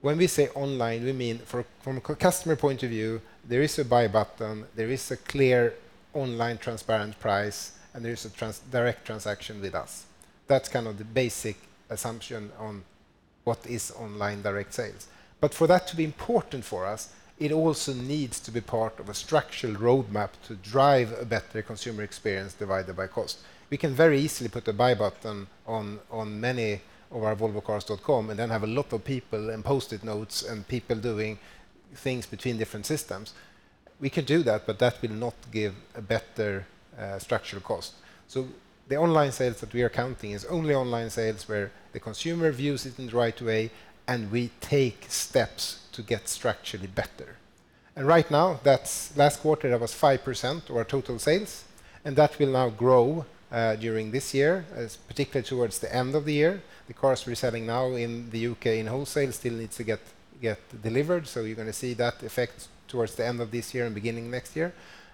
When we say online, we mean, from a customer point of view, there is a buy button, there is a clear online transparent price, and there is a direct transaction with us. That's kind of the basic assumption on what is online direct sales. For that to be important for us, it also needs to be part of a structural roadmap to drive a better consumer experience divided by cost. We can very easily put a buy button on many of our volvocars.com, and then have a lot of people and Post-it notes and people doing things between different systems. We can do that, but that will not give a better structural cost. The online sales that we are counting is only online sales, where the consumer views it in the right way, and we take steps to get structurally better. Right now, that's last quarter, that was 5% of our total sales, and that will now grow during this year, particularly towards the end of the year. The cars we're selling now in the U.K in wholesale still needs to get delivered, so you're going to see that effect towards the end of this year and beginning of next year.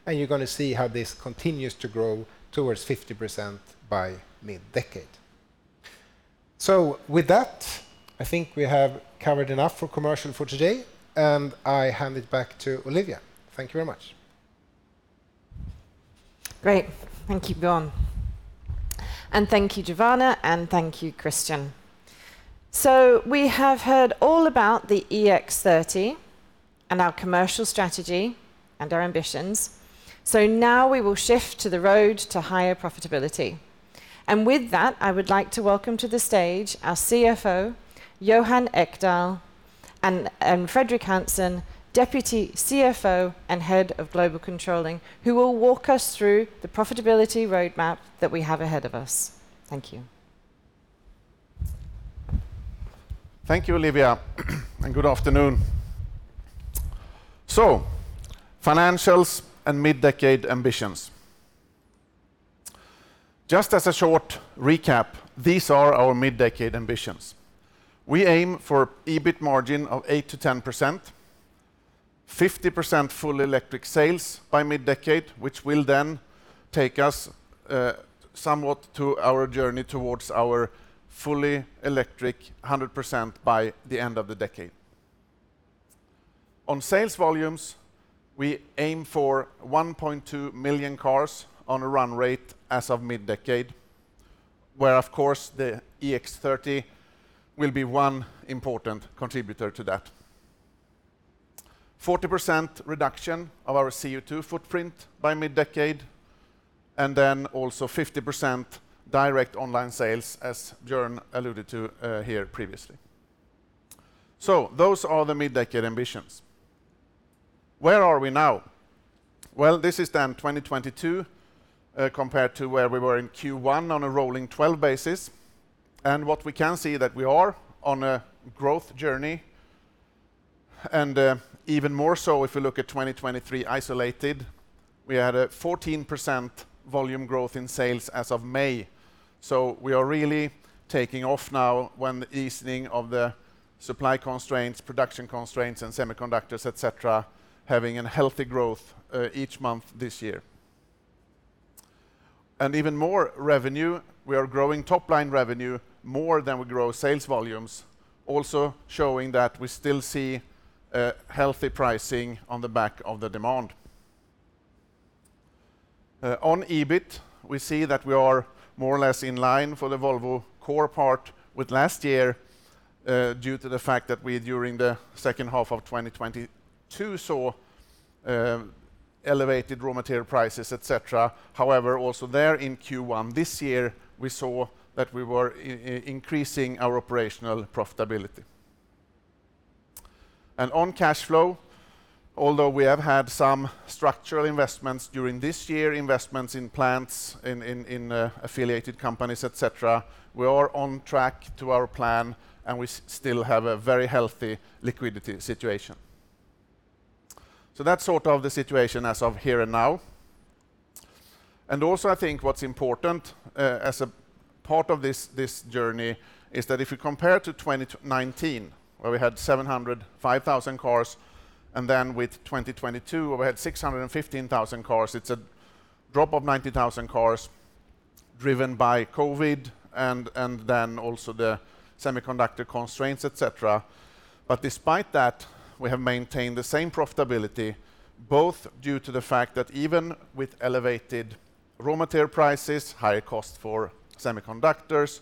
You're going to see how this continues to grow towards 50% by mid-decade. With that, I think we have covered enough for commercial for today, and I hand it back to Olivia. Thank you very much. Great. Thank you, Björn. Thank you, Jovana, and thank you, Kristian. We have heard all about the EX30 and our commercial strategy and our ambitions. Now we will shift to the road to higher profitability. With that, I would like to welcome to the stage our CFO, Johan Ekdahl, and Fredrik Hansson, Deputy CFO and Head of Global Controlling, who will walk us through the profitability roadmap that we have ahead of us. Thank you. Thank you, Olivia. Good afternoon. Financials and mid-decade ambitions. Just as a short recap, these are our mid-decade ambitions. We aim for EBIT margin of 8%-10%, 50% full electric sales by mid-decade, which will then take us somewhat to our journey towards our fully electric 100% by the end of the decade. On sales volumes, we aim for 1.2 million cars on a run rate as of mid-decade, where, of course, the EX30 will be one important contributor to that. 40% reduction of our CO2 footprint by mid-decade, also 50% direct online sales, as Björn alluded to here previously. Those are the mid-decade ambitions. Where are we now? Well, this is 2022 compared to where we were in Q1 on a rolling 12 basis. What we can see that we are on a growth journey, even more so if you look at 2023 isolated, we had a 14% volume growth in sales as of May. We are really taking off now when the easing of the supply constraints, production constraints, and semiconductors, et cetera, having a healthy growth each month this year. Even more revenue, we are growing top-line revenue more than we grow sales volumes. Also showing that we still see healthy pricing on the back of the demand. On EBIT, we see that we are more or less in line for the Volvo core part with last year, due to the fact that we, during the second half of 2022, saw elevated raw material prices, et cetera. However, also there in Q1 this year, we saw that we were increasing our operational profitability. On cash flow, although we have had some structural investments during this year, investments in plants, in affiliated companies, et cetera, we are on track to our plan, and we still have a very healthy liquidity situation. That's sort of the situation as of here and now. Also, I think what's important, as a part of this journey, is that if you compare to 2019, where we had 705,000 cars, and then with 2022, where we had 615,000 cars, it's a drop of 90,000 cars driven by COVID, and then also the semiconductor constraints, et cetera. Despite that, we have maintained the same profitability, both due to the fact that even with elevated raw material prices, higher costs for semiconductors,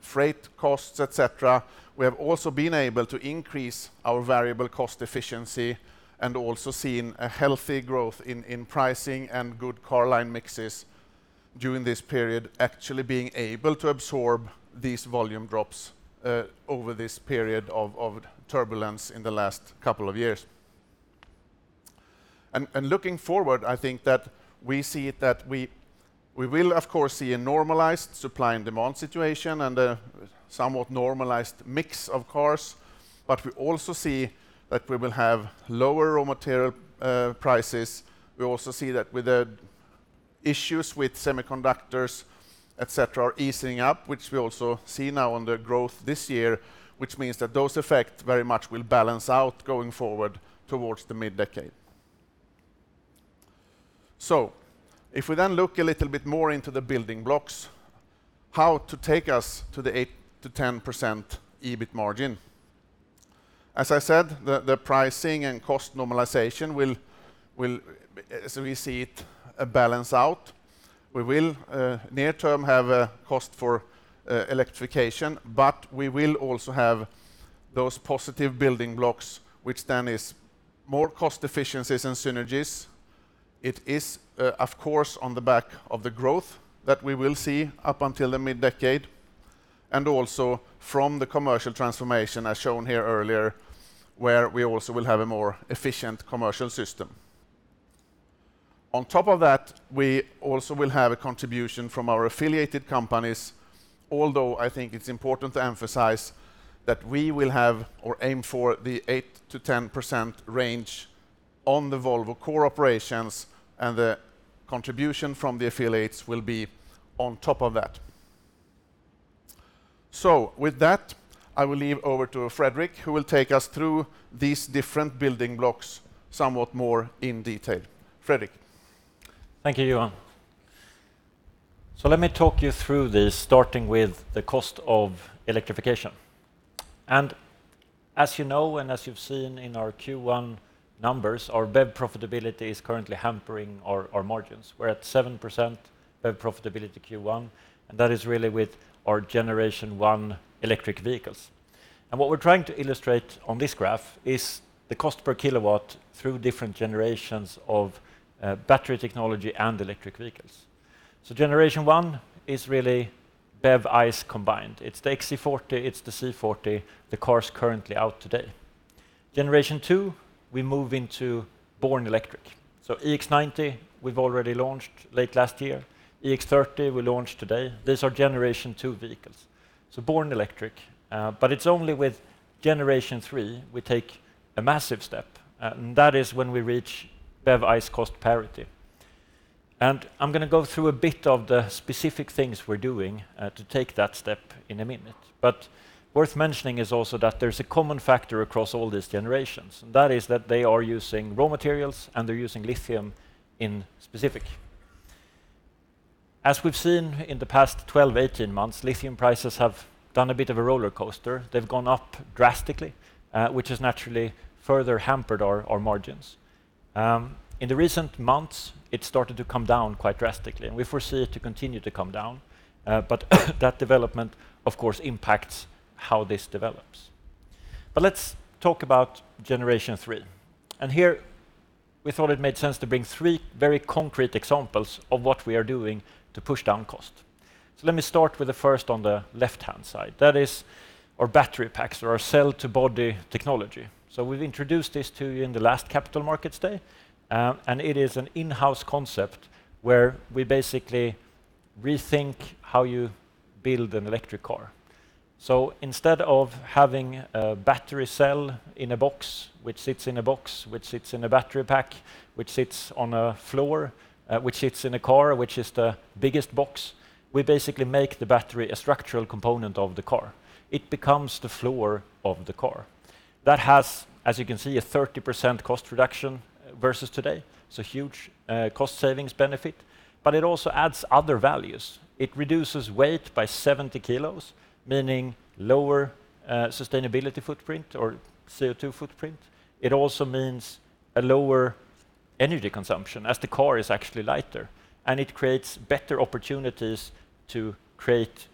freight costs, et cetera, we have also been able to increase our variable cost efficiency and also seen a healthy growth in pricing and good car line mixes during this period, actually being able to absorb these volume drops over this period of turbulence in the last couple of years. Looking forward, I think that we see it that we will, of course, see a normalized supply and demand situation, and a somewhat normalized mix of cars, but we also see that we will have lower raw material prices. We also see that with the issues with semiconductors, et cetera, are easing up, which we also see now on the growth this year, which means that those effects very much will balance out going forward towards the mid-decade. If we then look a little bit more into the building blocks, how to take us to the 8%-10% EBIT margin. As I said, the pricing and cost normalization will, as we see it, balance out. We will, near term, have a cost for electrification, but we will also have those positive building blocks, which then is more cost efficiencies and synergies. It is, of course, on the back of the growth that we will see up until the mid-decade, and also from the commercial transformation, as shown here earlier, where we also will have a more efficient commercial system. On top of that, we also will have a contribution from our affiliated companies, although I think it's important to emphasize that we will have or aim for the 8%-10% range on the Volvo core operations, and the contribution from the affiliates will be on top of that. With that, I will leave over to Fredrik, who will take us through these different building blocks somewhat more in detail. Fredrik? Thank you, Johan. Let me talk you through this, starting with the cost of electrification. As you know, as you've seen in our Q1 numbers, our BEV profitability is currently hampering our margins. We're at 7% BEV profitability Q1, and that is really with our Generation One electric vehicles. What we're trying to illustrate on this graph is the cost per kilowatt through different generations of battery technology and electric vehicles. Generation One is really BEV/ICE combined. It's the XC40, it's the C40, the cars currently out today. Generation Two, we move into born electric. EX90, we've already launched late last year. EX30, we launched today. These are Generation Two vehicles, so born electric. But it's only with Generation Three, we take a massive step, and that is when we reach BEV/ICE cost parity. I'm going to go through a bit of the specific things we're doing to take that step in a minute. Worth mentioning is also that there's a common factor across all these generations, and that is that they are using raw materials, and they're using lithium in specific. As we've seen in the past 12, 18 months, lithium prices have done a bit of a rollercoaster. They've gone up drastically, which has naturally further hampered our margins. In the recent months, it started to come down quite drastically, and we foresee it to continue to come down. That development, of course, impacts how this develops. Let's talk about Generation Three. Here, we thought it made sense to bring three very concrete examples of what we are doing to push down cost. Let me start with the first on the left-hand side. That is our battery packs or our cell-to-body technology. We've introduced this to you in the last Capital Markets Day, it is an in-house concept where we basically rethink how you build an electric car. Instead of having a battery cell in a box, which sits in a box, which sits in a battery pack, which sits on a floor, which sits in a car, which is the biggest box, we basically make the battery a structural component of the car. It becomes the floor of the car. That has, as you can see, a 30% cost reduction versus today, huge cost savings benefit, it also adds other values. It reduces weight by 70 kilos, meaning lower sustainability footprint or CO2 footprint. It also means a lower energy consumption, as the car is actually lighter, it creates better opportunities to create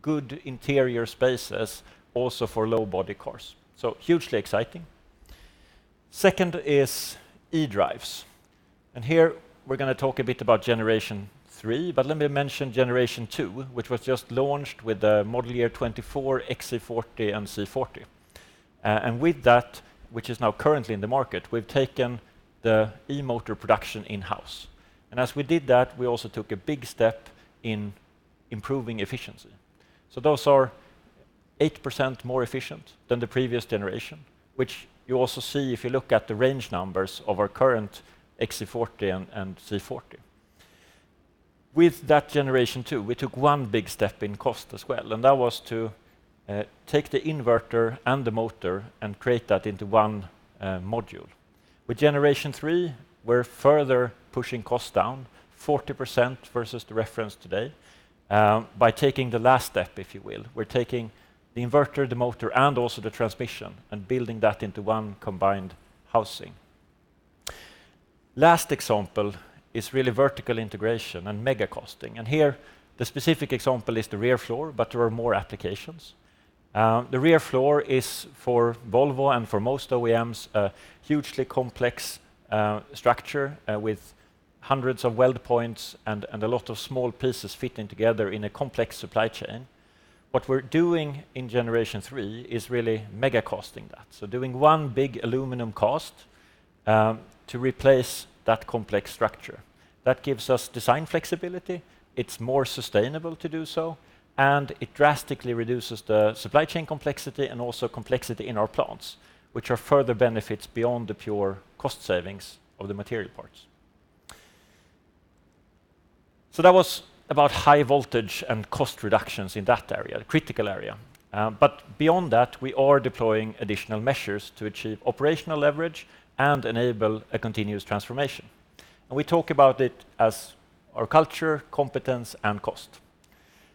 good interior spaces also for low body cars. Hugely exciting. Second is e-drives, here we're gonna talk a bit about Generation Three, but let me mention Generation Two, which was just launched with the model year 2024 XC40 and C40. With that, which is now currently in the market, we've taken the e-motor production in-house. As we did that, we also took a big step in improving efficiency. Those are 8% more efficient than the previous generation, which you also see if you look at the range numbers of our current XC40 and C40. With that Generation Two, we took one big step in cost as well, and that was to take the inverter and the motor and create that into one module. With Generation Three, we're further pushing costs down 40% versus the reference today, by taking the last step, if you will. We're taking the inverter, the motor, and also the transmission and building that into one combined housing. Last example is really vertical integration and mega casting. Here, the specific example is the rear floor, but there are more applications. The rear floor is for Volvo and for most OEMs, a hugely complex structure with hundreds of weld points and a lot of small pieces fitting together in a complex supply chain. What we're doing in Generation Three is really mega casting that. Doing one big aluminum cast to replace that complex structure. That gives us design flexibility, it's more sustainable to do so, and it drastically reduces the supply chain complexity and also complexity in our plants, which are further benefits beyond the pure cost savings of the material parts. That was about high voltage and cost reductions in that area, a critical area. Beyond that, we are deploying additional measures to achieve operational leverage and enable a continuous transformation. We talk about it as our culture, competence, and cost.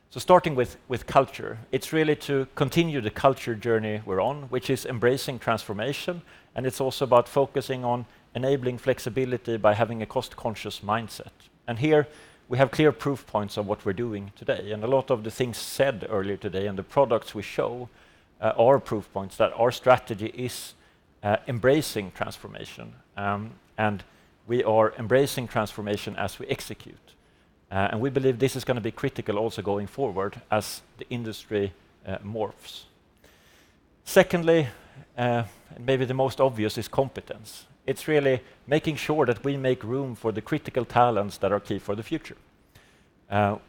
Starting with culture, it's really to continue the culture journey we're on, which is embracing transformation, and it's also about focusing on enabling flexibility by having a cost-conscious mindset. Here we have clear proof points on what we're doing today, and a lot of the things said earlier today, and the products we show, are proof points that our strategy is embracing transformation. We are embracing transformation as we execute. We believe this is gonna be critical also going forward as the industry morphs. Secondly, and maybe the most obvious, is competence. It's really making sure that we make room for the critical talents that are key for the future.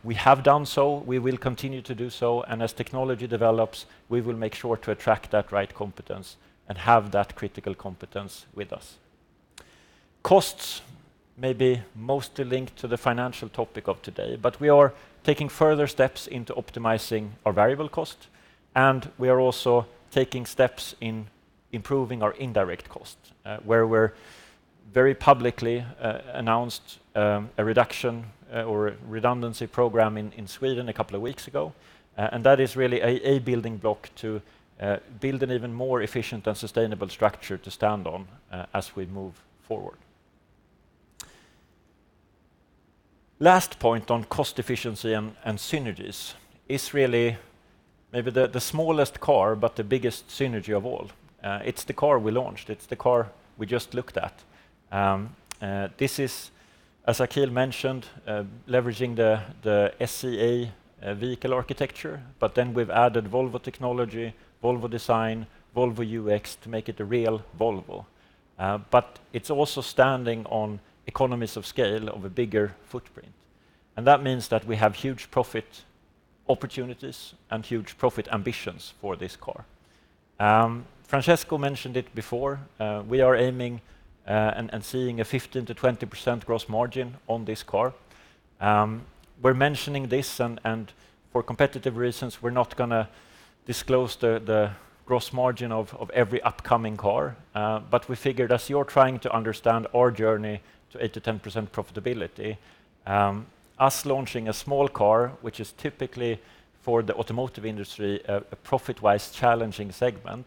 We have done so, we will continue to do so, as technology develops, we will make sure to attract that right competence and have that critical competence with us. Costs may be mostly linked to the financial topic of today. We are taking further steps into optimizing our variable cost, and we are also taking steps in improving our indirect cost, where we're very publicly announced a reduction or redundancy program in Sweden a couple of weeks ago. That is really a building block to build an even more efficient and sustainable structure to stand on as we move forward. Last point on cost efficiency and synergies is really maybe the smallest car. The biggest synergy of all. It's the car we launched. It's the car we just looked at. This is, as Akhil mentioned, leveraging the SEA vehicle architecture. We've added Volvo technology, Volvo design, Volvo UX to make it a real Volvo. It's also standing on economies of scale of a bigger footprint. That means that we have huge profit opportunities and huge profit ambitions for this car. Francesco mentioned it before, we are aiming and seeing a 15%-20% gross margin on this car. We're mentioning this, and for competitive reasons, we're not gonna disclose the gross margin of every upcoming car. We figured as you're trying to understand our journey to 8%-10% profitability, us launching a small car, which is typically for the automotive industry, a profit-wise challenging segment,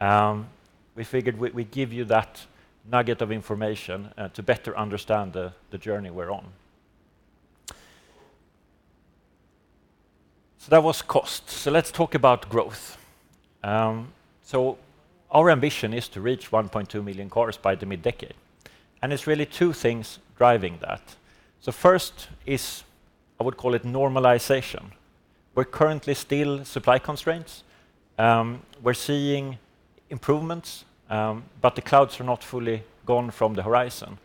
we figured we'd give you that nugget of information to better understand the journey we're on. That was cost. Let's talk about growth. Our ambition is to reach 1.2 million cars by the mid-decade, and it's really two things driving that. The first is, I would call it normalization. We're currently still supply constraints. We're seeing improvements, but the clouds are not fully gone from the horizon.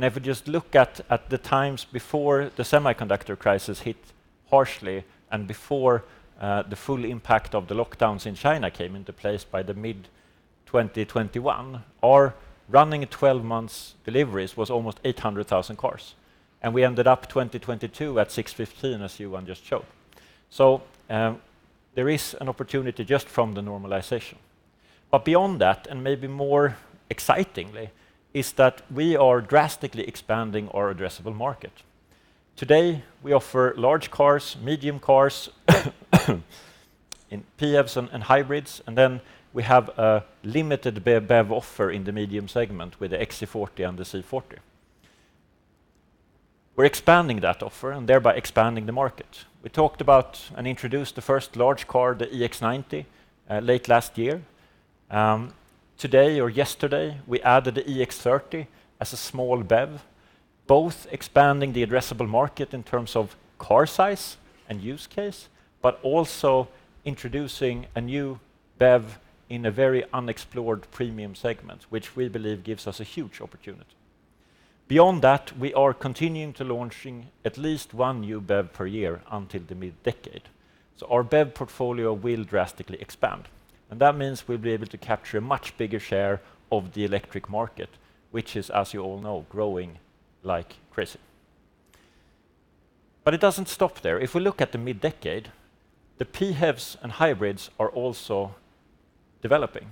If we just look at the times before the semiconductor crisis hit harshly and before, the full impact of the lockdowns in China came into place by the mid-2021, our running 12 months deliveries was almost 800,000 cars, and we ended up 2022 at 615, as Johan just showed. There is an opportunity just from the normalization. Beyond that, and maybe more excitingly, is that we are drastically expanding our addressable market. Today, we offer large cars, medium cars, in PHEVs and hybrids. We have a limited BEV offer in the medium segment with the XC40 and the C40. We're expanding that offer, and thereby expanding the market. We talked about and introduced the first large car, the EX90, late last year. Today or yesterday, we added the EX30 as a small BEV, both expanding the addressable market in terms of car size and use case, but also introducing a new BEV in a very unexplored premium segment, which we believe gives us a huge opportunity. Beyond that, we are continuing to launching at least one new BEV per year until the mid-decade. Our BEV portfolio will drastically expand, and that means we'll be able to capture a much bigger share of the electric market, which is, as you all know, growing like crazy. It doesn't stop there. If we look at the mid-decade, the PHEVs and hybrids are also developing.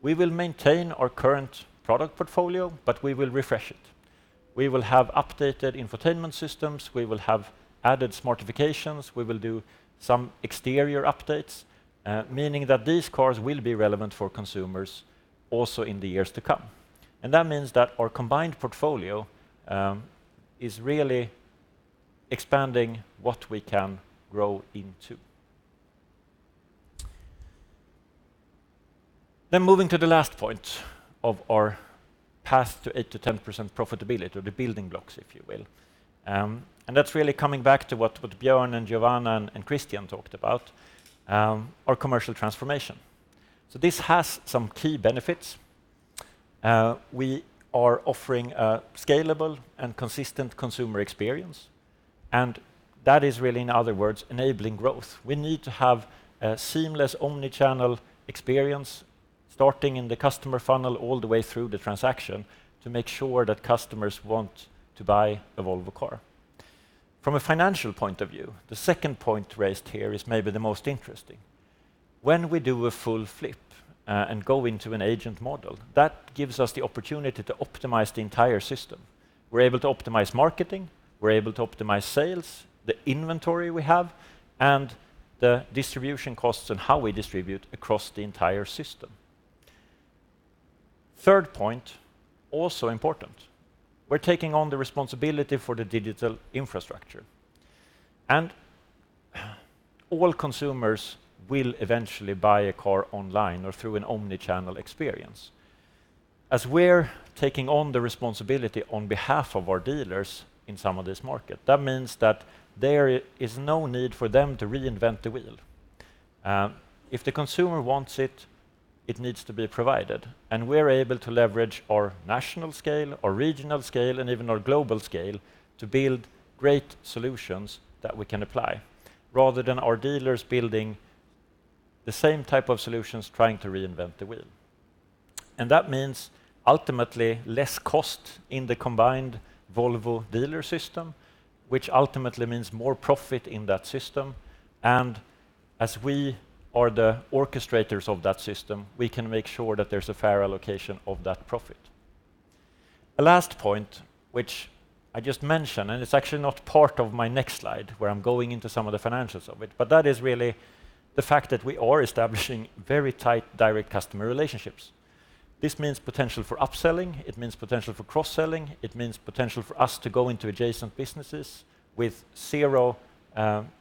We will maintain our current product portfolio, but we will refresh it. We will have updated infotainment systems, we will have added smartifications, we will do some exterior updates, meaning that these cars will be relevant for consumers also in the years to come. That means that our combined portfolio is really expanding what we can grow into. Moving to the last point of our path to 8%-10% profitability, or the building blocks, if you will. That's really coming back to what Björn and Jovana and Kristian talked about, our commercial transformation. This has some key benefits. We are offering a scalable and consistent consumer experience, and that is really, in other words, enabling growth. We need to have a seamless omni-channel experience, starting in the customer funnel all the way through the transaction, to make sure that customers want to buy a Volvo car. From a financial point of view, the second point raised here is maybe the most interesting. When we do a full flip and go into an agent model, that gives us the opportunity to optimize the entire system. We're able to optimize marketing, we're able to optimize sales, the inventory we have, and the distribution costs and how we distribute across the entire system. Third point, also important, we're taking on the responsibility for the digital infrastructure. All consumers will eventually buy a car online or through an omni-channel experience. As we're taking on the responsibility on behalf of our dealers in some of this market, that means that there is no need for them to reinvent the wheel. If the consumer wants it needs to be provided, we're able to leverage our national scale, our regional scale, and even our global scale, to build great solutions that we can apply, rather than our dealers building the same type of solutions, trying to reinvent the wheel. That means ultimately less cost in the combined Volvo dealer system, which ultimately means more profit in that system, and as we are the orchestrators of that system, we can make sure that there's a fair allocation of that profit. The last point, which I just mentioned, and it's actually not part of my next slide, where I'm going into some of the financials of it, but that is really the fact that we are establishing very tight direct customer relationships. This means potential for upselling, it means potential for cross-selling, it means potential for us to go into adjacent businesses with zero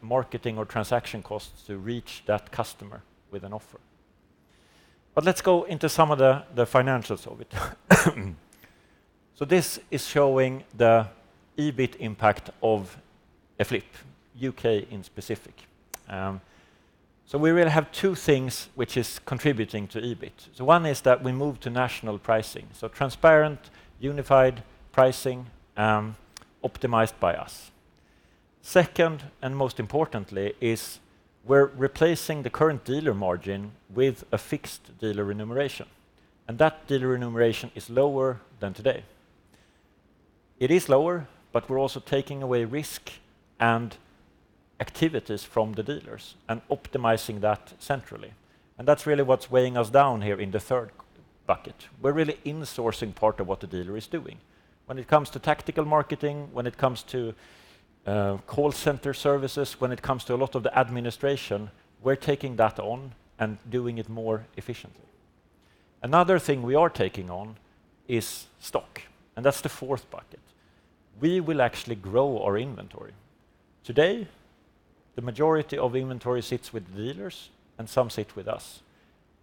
marketing or transaction costs to reach that customer with an offer. Let's go into some of the financials of it. This is showing the EBIT impact of a flip, U.K. in specific. We will have two things which is contributing to EBIT. One is that we move to national pricing, transparent, unified pricing, optimized by us. Second, most importantly, is we're replacing the current dealer margin with a fixed dealer remuneration. That dealer remuneration is lower than today. It is lower. We're also taking away risk and activities from the dealers and optimizing that centrally. That's really what's weighing us down here in the third bucket. We're really insourcing part of what the dealer is doing. When it comes to tactical marketing, when it comes to call center services, when it comes to a lot of the administration, we're taking that on and doing it more efficiently. Another thing we are taking on is stock. That's the fourth bucket. We will actually grow our inventory. Today, the majority of inventory sits with the dealers and some sit with us.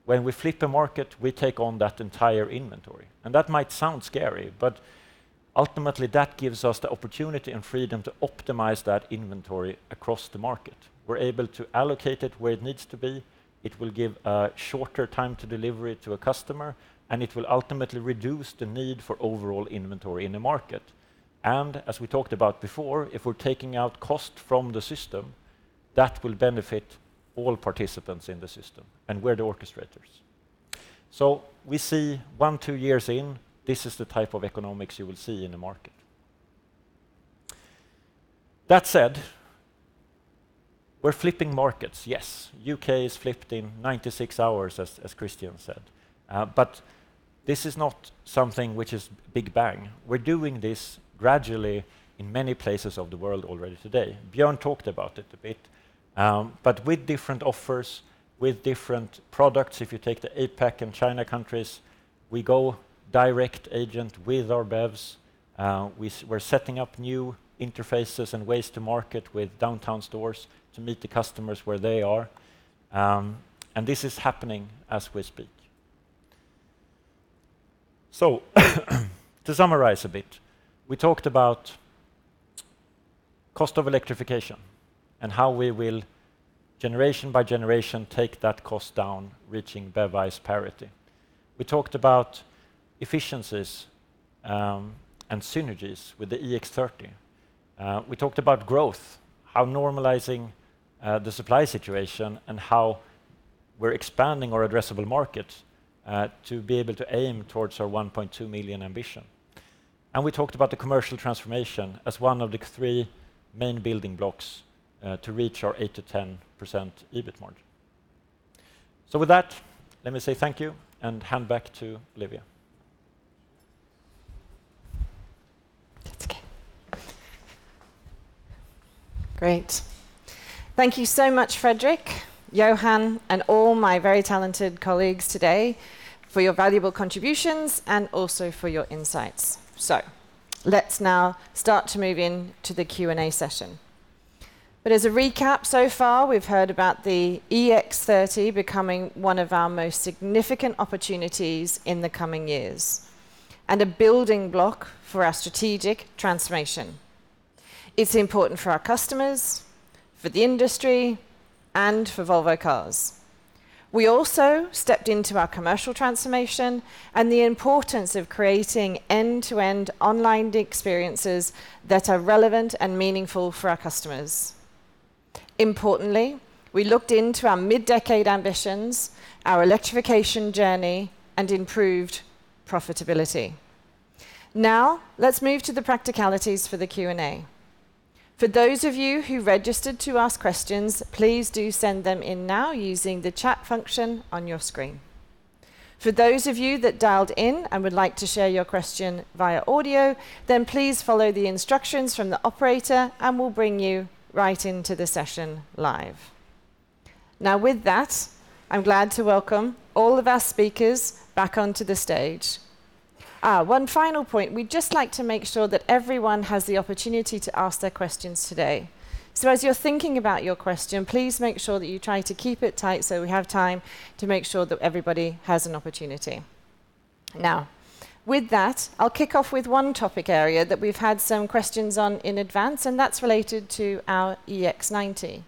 When we flip a market, we take on that entire inventory. That might sound scary, but ultimately, that gives us the opportunity and freedom to optimize that inventory across the market. We're able to allocate it where it needs to be, it will give a shorter time to deliver it to a customer, and it will ultimately reduce the need for overall inventory in the market. As we talked about before, if we're taking out cost from the system, that will benefit all participants in the system, and we're the orchestrators. We see one, two years in, this is the type of economics you will see in the market. That said, we're flipping markets. Yes, U.K is flipped in 96 hours, as Kristian said. This is not something which is big bang. We're doing this gradually in many places of the world already today. Björn talked about it a bit, but with different offers, with different products. If you take the APAC and China countries, we direct agent with our BEVs. We're setting up new interfaces and ways to market with downtown stores to meet the customers where they are. This is happening as we speak. To summarize a bit, we talked about cost of electrification and how we will, generation by generation, take that cost down, reaching BEV ICE parity. We talked about efficiencies and synergies with the EX30. We talked about growth, how normalizing the supply situation and how we're expanding our addressable market to be able to aim towards our 1.2 million ambition. We talked about the commercial transformation as one of the three main building blocks, to reach our 8-10% EBIT margin. With that, let me say thank you, and hand back to Olivia. That's okay. Great. Thank you so much, Fredrik, Johan, and all my very talented colleagues today for your valuable contributions and also for your insights. Let's now start to move into the Q&A session. As a recap, so far, we've heard about the EX30 becoming one of our most significant opportunities in the coming years and a building block for our strategic transformation. It's important for our customers, for the industry, and for Volvo Cars. We also stepped into our commercial transformation and the importance of creating end-to-end online experiences that are relevant and meaningful for our customers. Importantly, we looked into our mid-decade ambitions, our electrification journey, and improved profitability. Let's move to the practicalities for the Q&A. For those of you who registered to ask questions, please do send them in now using the chat function on your screen. For those of you that dialed in and would like to share your question via audio, then please follow the instructions from the operator, and we'll bring you right into the session live. With that, I'm glad to welcome all of our speakers back onto the stage. One final point. We'd just like to make sure that everyone has the opportunity to ask their questions today. As you're thinking about your question, please make sure that you try to keep it tight so we have time to make sure that everybody has an opportunity. With that, I'll kick off with one topic area that we've had some questions on in advance, and that's related to our EX90.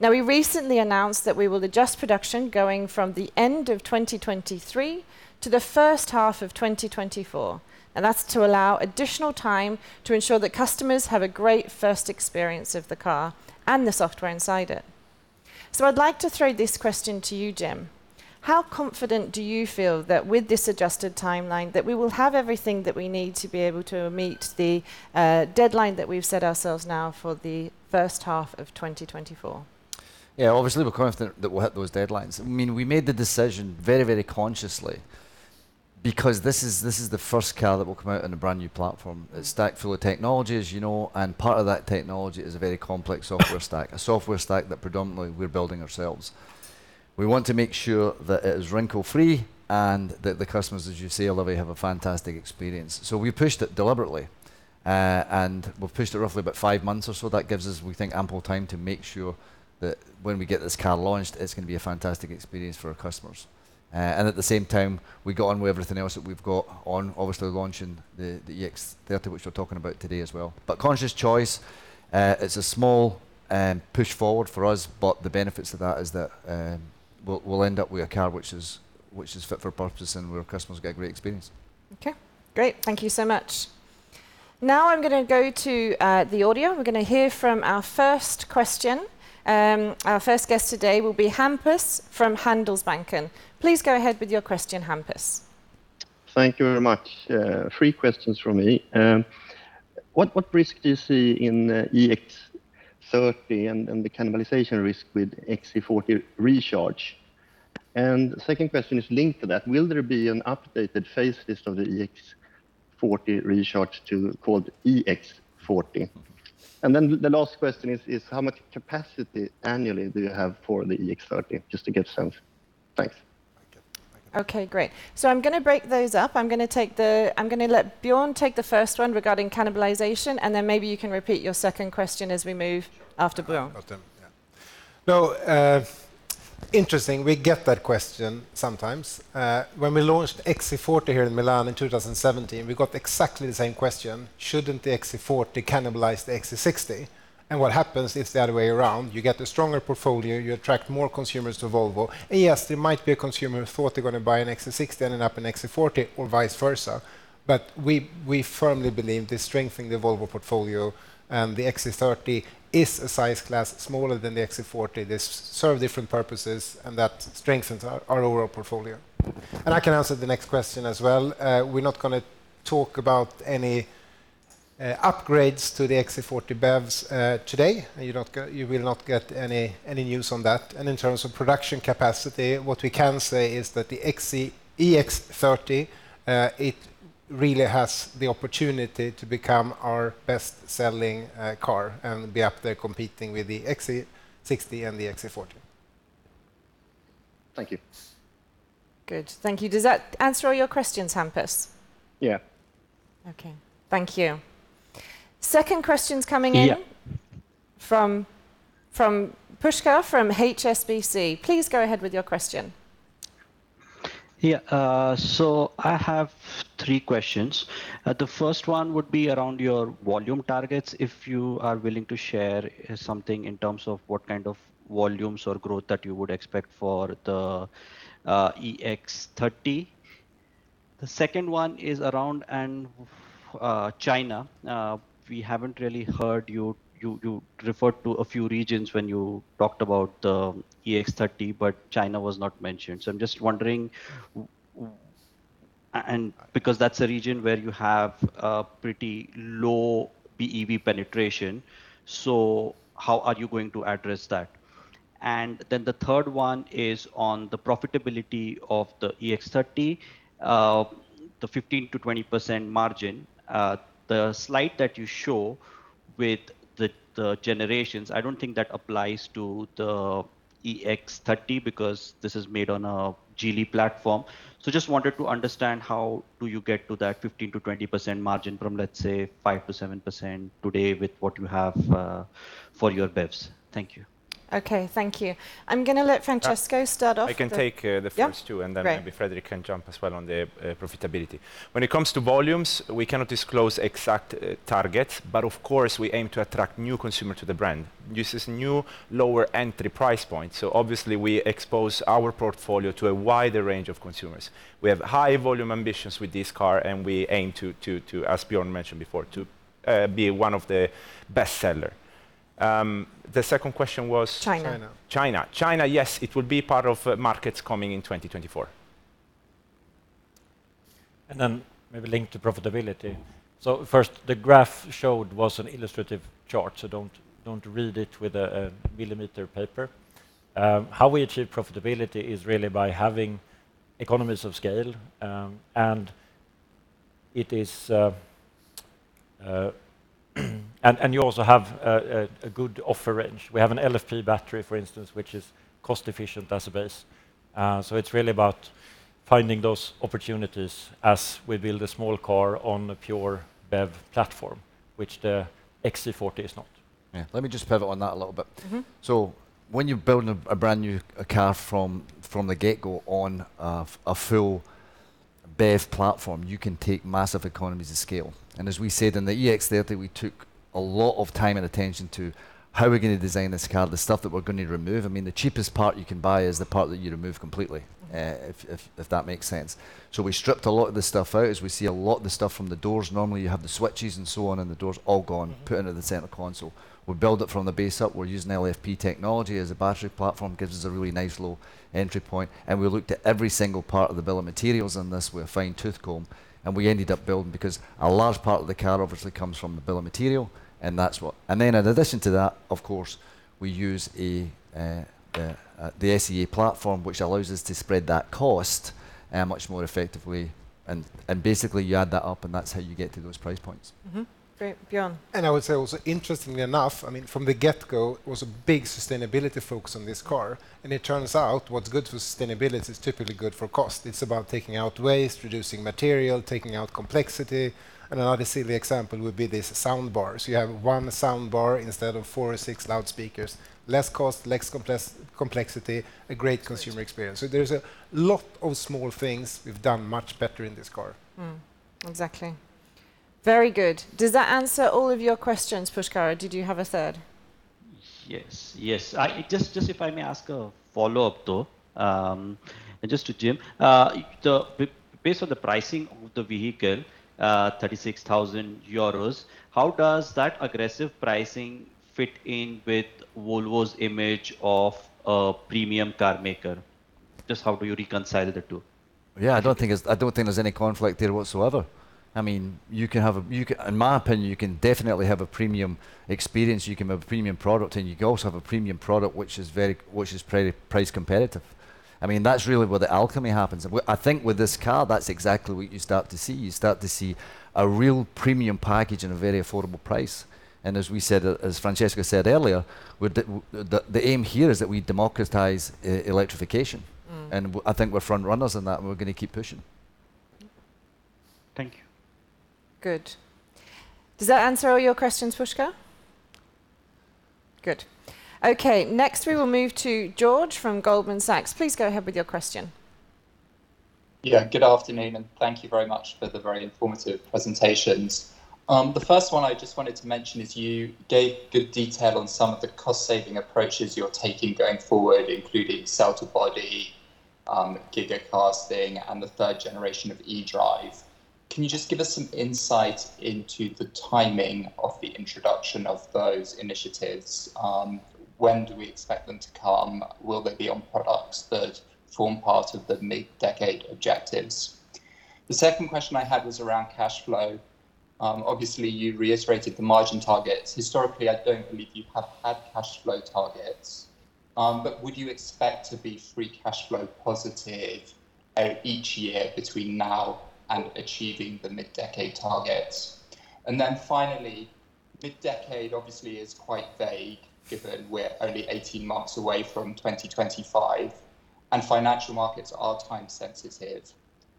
We recently announced that we will adjust production going from the end of 2023 to the first half of 2024, and that's to allow additional time to ensure that customers have a great first experience of the car and the software inside it. I'd like to throw this question to you, Jim. How confident do you feel that with this adjusted timeline, that we will have everything that we need to be able to meet the deadline that we've set ourselves now for the first half of 2024? Yeah, obviously, we're confident that we'll hit those deadlines. I mean, we made the decision very, very consciously because this is the first car that will come out on a brand-new platform. It's stacked full of technologies, you know, and part of that technology is a very complex software stack, a software stack that predominantly we're building ourselves. We want to make sure that it is wrinkle-free and that the customers, as you say, Olivia, have a fantastic experience. We pushed it deliberately, and we've pushed it roughly about five months or so. That gives us, we think, ample time to make sure that when we get this car launched, it's going to be a fantastic experience for our customers. At the same time, we got on with everything else that we've got on, obviously, launching the EX30, which we're talking about today as well. Conscious choice, it's a small push forward for us, the benefits of that is that we'll end up with a car which is fit for purpose and where our customers get a great experience. Okay, great. Thank you so much. Now, I'm going to go to the audio. We're going to hear from our first question. Our first guest today will be Hampus from Handelsbanken. Please go ahead with your question, Hampus. Thank you very much. Three questions from me. What, what risk do you see in the EX30 and the cannibalization risk with XC40 Recharge? Second question is linked to that. Will there be an updated phase list of the EX40 Recharge to called EX40? The last question is how much capacity annually do you have for the EX30, just to get a sense? Thanks. Okay, great. I'm going to break those up. I'm going to let Björn take the first one regarding cannibalization, and then maybe you can repeat your second question as we move after Björn. Okay. Yeah. Interesting, we get that question sometimes. When we launched XC40 here in Milan in 2017, we got exactly the same question: Shouldn't the XC40 cannibalize the XC60? What happens is the other way around. You get a stronger portfolio, you attract more consumers to Volvo. Yes, there might be a consumer who thought they're going to buy an XC60, ending up an XC40, or vice versa, but we firmly believe this strengthen the Volvo portfolio, and the EX30 is a size class smaller than the XC40. They serve different purposes, and that strengthens our overall portfolio. I can answer the next question as well. We're not going to talk about any upgrades to the XC40 BEVs today. You will not get any news on that. In terms of production capacity, what we can say is that the EX30, it really has the opportunity to become our best-selling, car and be up there competing with the XC60 and the XC40. Thank you. Good. Thank you. Does that answer all your questions, Hampus? Yeah. Okay, thank you. Second question's coming in- Yeah from Pushkar, from HSBC. Please go ahead with your question. Yeah, so I have three questions. The first one would be around your volume targets, if you are willing to share something in terms of what kind of volumes or growth that you would expect for the EX30. The second one is around China. We haven't really heard you referred to a few regions when you talked about the EX30, but China was not mentioned. I'm just wondering, because that's a region where you have a pretty low BEV penetration, how are you going to address that? The third one is on the profitability of the EX30, the 15%-20% margin. The slide that you show with the generations, I don't think that applies to the EX30, because this is made on a Geely platform. Just wanted to understand, how do you get to that 15%-20% margin from, let's say, 5%-7% today with what you have for your BEVs? Thank you. Okay, thank you. I'm gonna let Francesco start off. I can take, the first two-. Yeah. Great.... and then maybe Fredrik can jump as well on the profitability. When it comes to volumes, we cannot disclose exact targets, but of course, we aim to attract new consumer to the brand. This is new, lower entry price point, so obviously, we expose our portfolio to a wider range of consumers. We have high volume ambitions with this car, and we aim to, as Björn mentioned before, to be one of the bestseller. The second question was? China. China. China. China, yes, it will be part of markets coming in 2024. Maybe linked to profitability. Mm. First, the graph showed was an illustrative chart, don't read it with a millimeter paper. How we achieve profitability is really by having economies of scale. And you also have a good offer range. We have an LFP battery, for instance, which is cost efficient as a base. It's really about finding those opportunities as we build a small car on a pure BEV platform, which the XC40 is not. Yeah. Let me just pivot on that a little bit. Mm-hmm. When you're building a brand-new car from the get-go on a full BEV platform, you can take massive economies of scale. As we said in the EX30, we took a lot of time and attention to how are we gonna design this car, the stuff that we're gonna remove. I mean, the cheapest part you can buy is the part that you remove completely. Mm... if that makes sense. We stripped a lot of this stuff out, as we see a lot of the stuff from the doors. Normally, you have the switches and so on, and the doors all gone... Mm-hmm... put into the center console. We build it from the base up. We're using LFP technology as a battery platform, gives us a really nice, low entry point, and we looked at every single part of the bill of materials in this with a fine-tooth comb, and we ended up building. Because a large part of the car obviously comes from the bill of material, and that's what. Then in addition to that, of course, we use the SEA platform, which allows us to spread that cost much more effectively. Basically, you add that up, and that's how you get to those price points. Mm-hmm. Great. Björn? I would say also, interestingly enough, I mean, from the get-go, it was a big sustainability focus on this car. It turns out what's good for sustainability is typically good for cost. It's about taking out waste, reducing material, taking out complexity. Obviously, the example would be the soundbar. You have one soundbar instead of four or six loudspeakers. Less cost, less complexity, a great consumer experience. That's right. There's a lot of small things we've done much better in this car. Exactly. Very good. Does that answer all of your questions, Pushkar? Did you have a third? Yes. Yes, just if I may ask a follow-up, though. Just to Jim, based on the pricing of the vehicle, 36,000 euros, how does that aggressive pricing fit in with Volvo's image of a premium carmaker? Just how do you reconcile the two? I don't think there's any conflict there whatsoever. I mean, you can have a, in my opinion, you can definitely have a premium experience, you can have a premium product, and you can also have a premium product which is pretty price competitive. I mean, that's really where the alchemy happens. I think with this car, that's exactly what you start to see. You start to see a real premium package at a very affordable price. As we said, as Francesco said earlier, the aim here is that we democratize electrification. Mm. I think we're front runners in that, and we're gonna keep pushing. Thank you. Good. Does that answer all your questions, Pushkar? Good. Okay, next we will move to George from Goldman Sachs. Please go ahead with your question. Good afternoon, thank you very much for the very informative presentations. The first one I just wanted to mention is you gave good detail on some of the cost-saving approaches you're taking going forward, including cell-to-body, gigacasting, and the third generation of eDrive. Can you just give us some insight into the timing of the introduction of those initiatives? When do we expect them to come? Will they be on products that form part of the mid-decade objectives? The second question I had was around cash flow. Obviously, you reiterated the margin targets. Historically, I don't believe you have had cash flow targets, would you expect to be free cash flow positive each year between now and achieving the mid-decade targets? Finally-... mid-decade obviously is quite vague, given we're only 18 months away from 2025. Financial markets are time sensitive.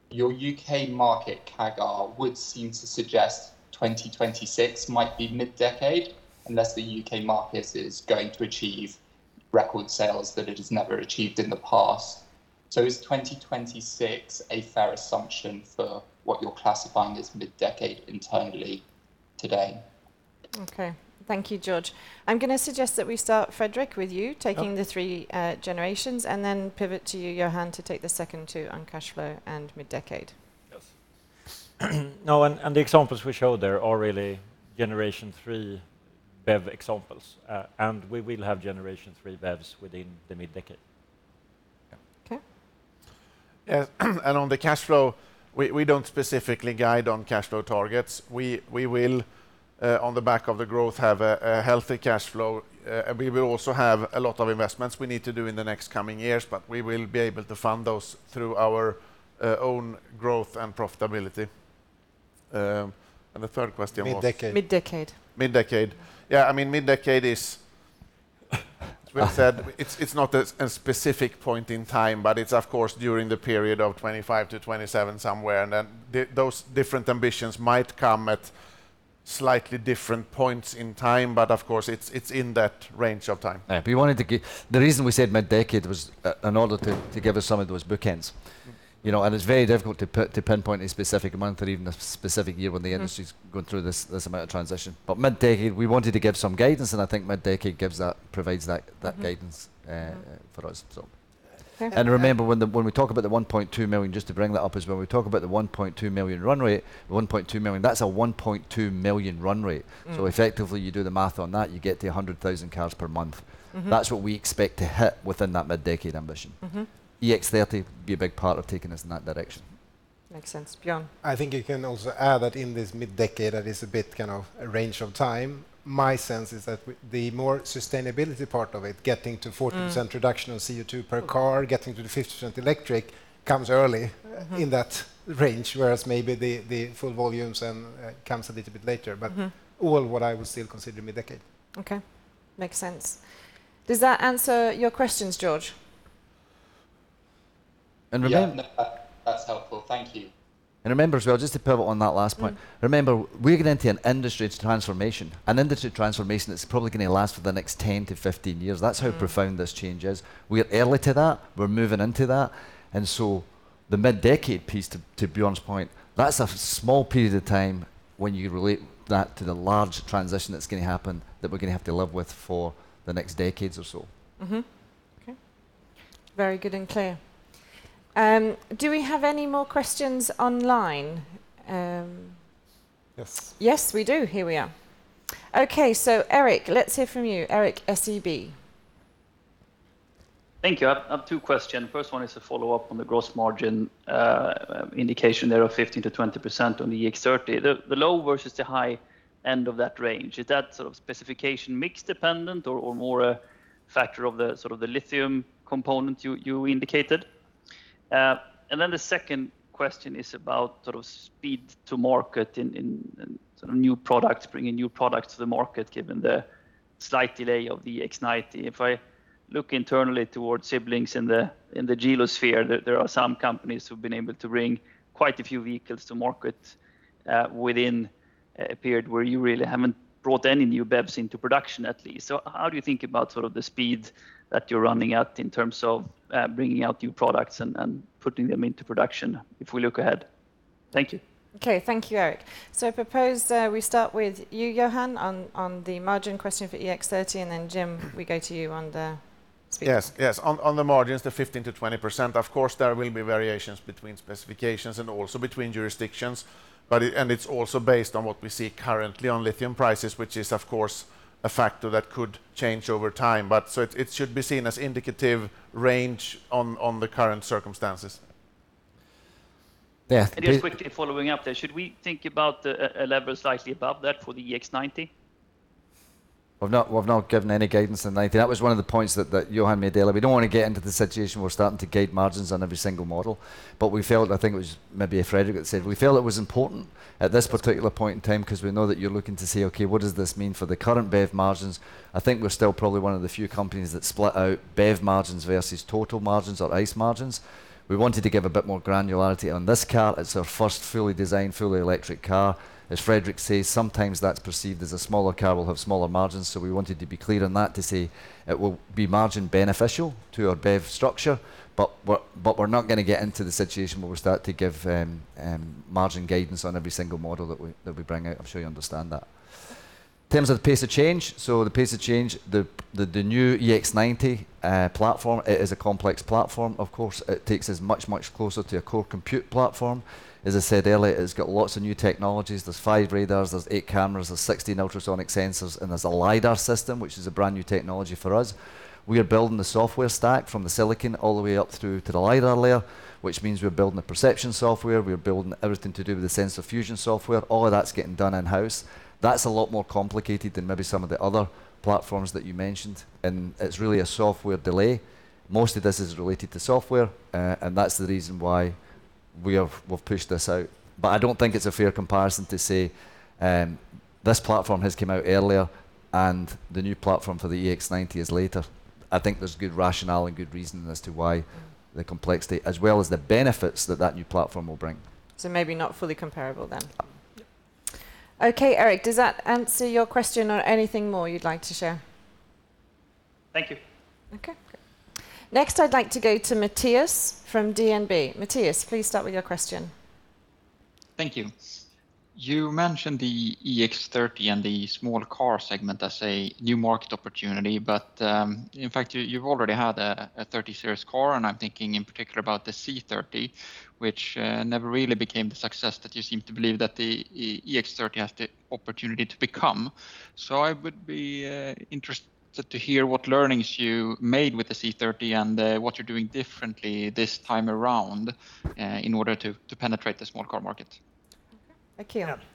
Your U.K. market CAGR would seem to suggest 2026 might be mid-decade, unless the U.K. market is going to achieve record sales that it has never achieved in the past. Is 2026 a fair assumption for what you're classifying as mid-decade internally today? Thank you, George. I'm going to suggest that we start, Fredrik, with you. Yep. taking the three generations, and then pivot to you, Johan, to take the second two on cash flow and mid-decade. Yes. No, and the examples we showed there are really Generation Three BEV examples. We will have Generation Three BEVs within the mid-decade. Okay. Yes, on the cash flow, we don't specifically guide on cash flow targets. We will on the back of the growth, have a healthy cash flow. We will also have a lot of investments we need to do in the next coming years, but we will be able to fund those through our own growth and profitability. The third question was? Mid-decade. Mid-decade. Yeah, I mean, mid-decade as we have said, it's not a specific point in time, but it's of course, during the period of 2025-2027 somewhere. Then those different ambitions might come at slightly different points in time, but of course, it's in that range of time. We wanted to give... The reason we said mid-decade was in order to give us some of those bookends. You know, it's very difficult to pinpoint a specific amount or even a specific year when the industry... Mm... is going through this amount of transition. Mid-decade, we wanted to give some guidance. I think mid-decade gives that, provides that guidance. Mm-hmm... for us, so. Perfect. Remember, when we talk about the 1.2 million, just to bring that up, is when we talk about the 1.2 million run rate, 1.2 million, that's a 1.2 million run rate. Mm. Effectively, you do the math on that, you get to 100,000 cars per month. Mm-hmm. That's what we expect to hit within that mid-decade ambition. Mm-hmm. EX30 will be a big part of taking us in that direction. Makes sense. Björn? I think you can also add that in this mid-decade, that is a bit kind of a range of time. My sense is that the more sustainability part of it, getting to 40%. Mm reduction of CO2 per car, getting to the 50% electric, comes early- Mm... in that range, whereas maybe the full volumes comes a little bit later. Mm-hmm. All what I would still consider mid-decade. Okay. Makes sense. Does that answer your questions, George? remember. Yeah. No, that's helpful. Thank you. Remember, as well, just to pivot on that last point. Mm-hmm... remember, we're going into an industry transformation. An industry transformation that's probably going to last for the next 10-15 years. Mm. That's how profound this change is. We're early to that. We're moving into that. The mid-decade piece, to Björn's point, that's a small period of time when you relate that to the large transition that's going to happen, that we're going to have to live with for the next decades or so. Okay. Very good and clear. Do we have any more questions online? Yes. Yes, we do. Here we are. Okay, Eric, let's hear from you. Eric, SEB. Thank you. I have two question. First one is a follow-up on the gross margin indication there of 15%-20% on the EX30. The low versus the high end of that range, is that sort of specification mix dependent or more a factor of the lithium component you indicated? The second question is about sort of speed to market in sort of new products, bringing new products to the market, given the slight delay of the EX90. If I look internally towards siblings in the Geely sphere, there are some companies who've been able to bring quite a few vehicles to market within a period where you really haven't brought any new BEVs into production, at least. How do you think about sort of the speed that you're running at in terms of bringing out new products and putting them into production if we look ahead? Thank you. Thank you, Eric. I propose we start with you, Johan, on the margin question for EX30, and then Jim, we go to you on the speed. Yes, yes. On the margins, the 15%-20%, of course, there will be variations between specifications and also between jurisdictions, but it's also based on what we see currently on lithium prices, which is, of course, a factor that could change over time. It should be seen as indicative range on the current circumstances. Yeah. Just quickly following up there, should we think about a level slightly above that for the EX90? We've not given any guidance on the 90. That was one of the points that Johan made earlier. We don't want to get into the situation we're starting to guide margins on every single model. We felt, I think it was maybe Fredrik that said, we felt it was important at this particular point in time, 'cause we know that you're looking to say: "Okay, what does this mean for the current BEV margins?" I think we're still probably one of the few companies that split out BEV margins versus total margins or ICE margins. We wanted to give a bit more granularity on this car. It's our first fully designed, fully electric car. As Fredrik says, sometimes that's perceived as a smaller car, we'll have smaller margins, so we wanted to be clear on that, to say it will be margin beneficial to our BEV structure. We're not going to get into the situation where we start to give margin guidance on every single model that we bring out. I'm sure you understand that. In terms of the pace of change, the new EX90 platform, it is a complex platform. Of course, it takes us much, much closer to a core compute platform. As I said earlier, it's got lots of new technologies. There's five radars, there's eight cameras, there's 16 ultrasonic sensors, and there's a lidar system, which is a brand-new technology for us. We are building the software stack from the silicon all the way up through to the lidar layer, which means we're building the perception software, we're building everything to do with the sensor fusion software. All of that's getting done in-house. That's a lot more complicated than maybe some of the other platforms that you mentioned, and it's really a software delay. Most of this is related to software, and that's the reason why we've pushed this out. I don't think it's a fair comparison to say, this platform has come out earlier, and the new platform for the EX90 is later. I think there's good rationale and good reason as to why the complexity, as well as the benefits that that new platform will bring. Maybe not fully comparable, then? Yep. Okay, Eric, does that answer your question or anything more you'd like to share? Thank you. Okay, great. Next, I'd like to go to Mattias from DNB. Mattias, please start with your question. Thank you. You mentioned the EX30 and the small car segment as a new market opportunity, but, in fact, you've already had a 30 series car, and I'm thinking in particular about the C30, which, never really became the success that you seem to believe that the EX30 has the opportunity to become. I would be interested to hear what learnings you made with the C30, and what you're doing differently this time around, in order to penetrate the small car market.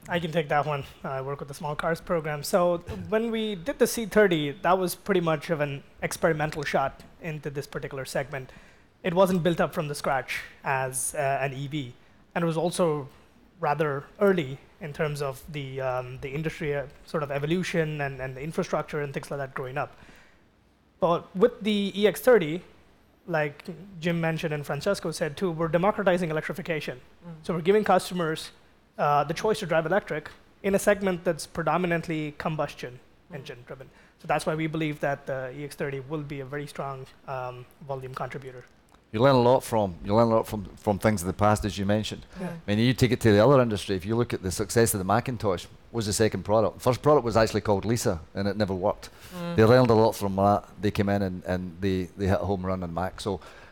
I can take that one. I work with the Small Car Programs. When we did the C30, that was pretty much of an experimental shot into this particular segment. It wasn't built up from the scratch as an EV, and it was also rather early in terms of the industry sort of evolution and the infrastructure and things like that growing up. With the EX30, like Jim mentioned and Francesco said, too, we're democratizing electrification. Mm. We're giving customers, the choice to drive electric in a segment that's predominantly combustion engine-driven. That's why we believe that the EX30 will be a very strong, volume contributor. You learn a lot from things of the past, as you mentioned. Yeah. I mean, you take it to the other industry. If you look at the success of the Macintosh, what was the second product? First product was actually called Lisa, and it never worked. Mm. They learned a lot from that. They came in and they hit a home run on Mac.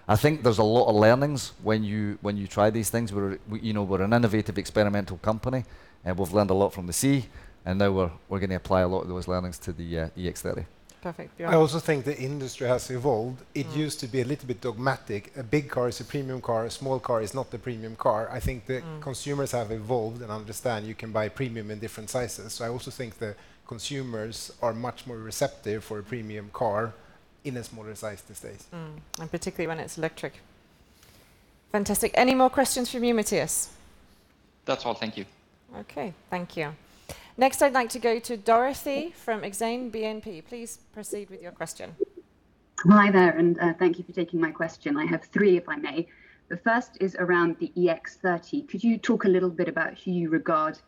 I think there's a lot of learnings when you try these things. We're, you know, we're an innovative, experimental company, and we've learned a lot from the C, and now we're gonna apply a lot of those learnings to the EX30. Perfect. Johan? I also think the industry has evolved. Mm. It used to be a little bit dogmatic. A big car is a premium car, a small car is not a premium car. Mm. I think the consumers have evolved and understand you can buy premium in different sizes. I also think the consumers are much more receptive for a premium car in a smaller size these days. Particularly when it's electric. Fantastic. Any more questions from you, Mattias? That's all. Thank you. Okay, thank you. Next, I'd like to go to Dorothee from Exane BNP. Please proceed with your question. Hi there, thank you for taking my question. I have three, if I may. The first is around the EX30. Could you talk a little bit about who you regard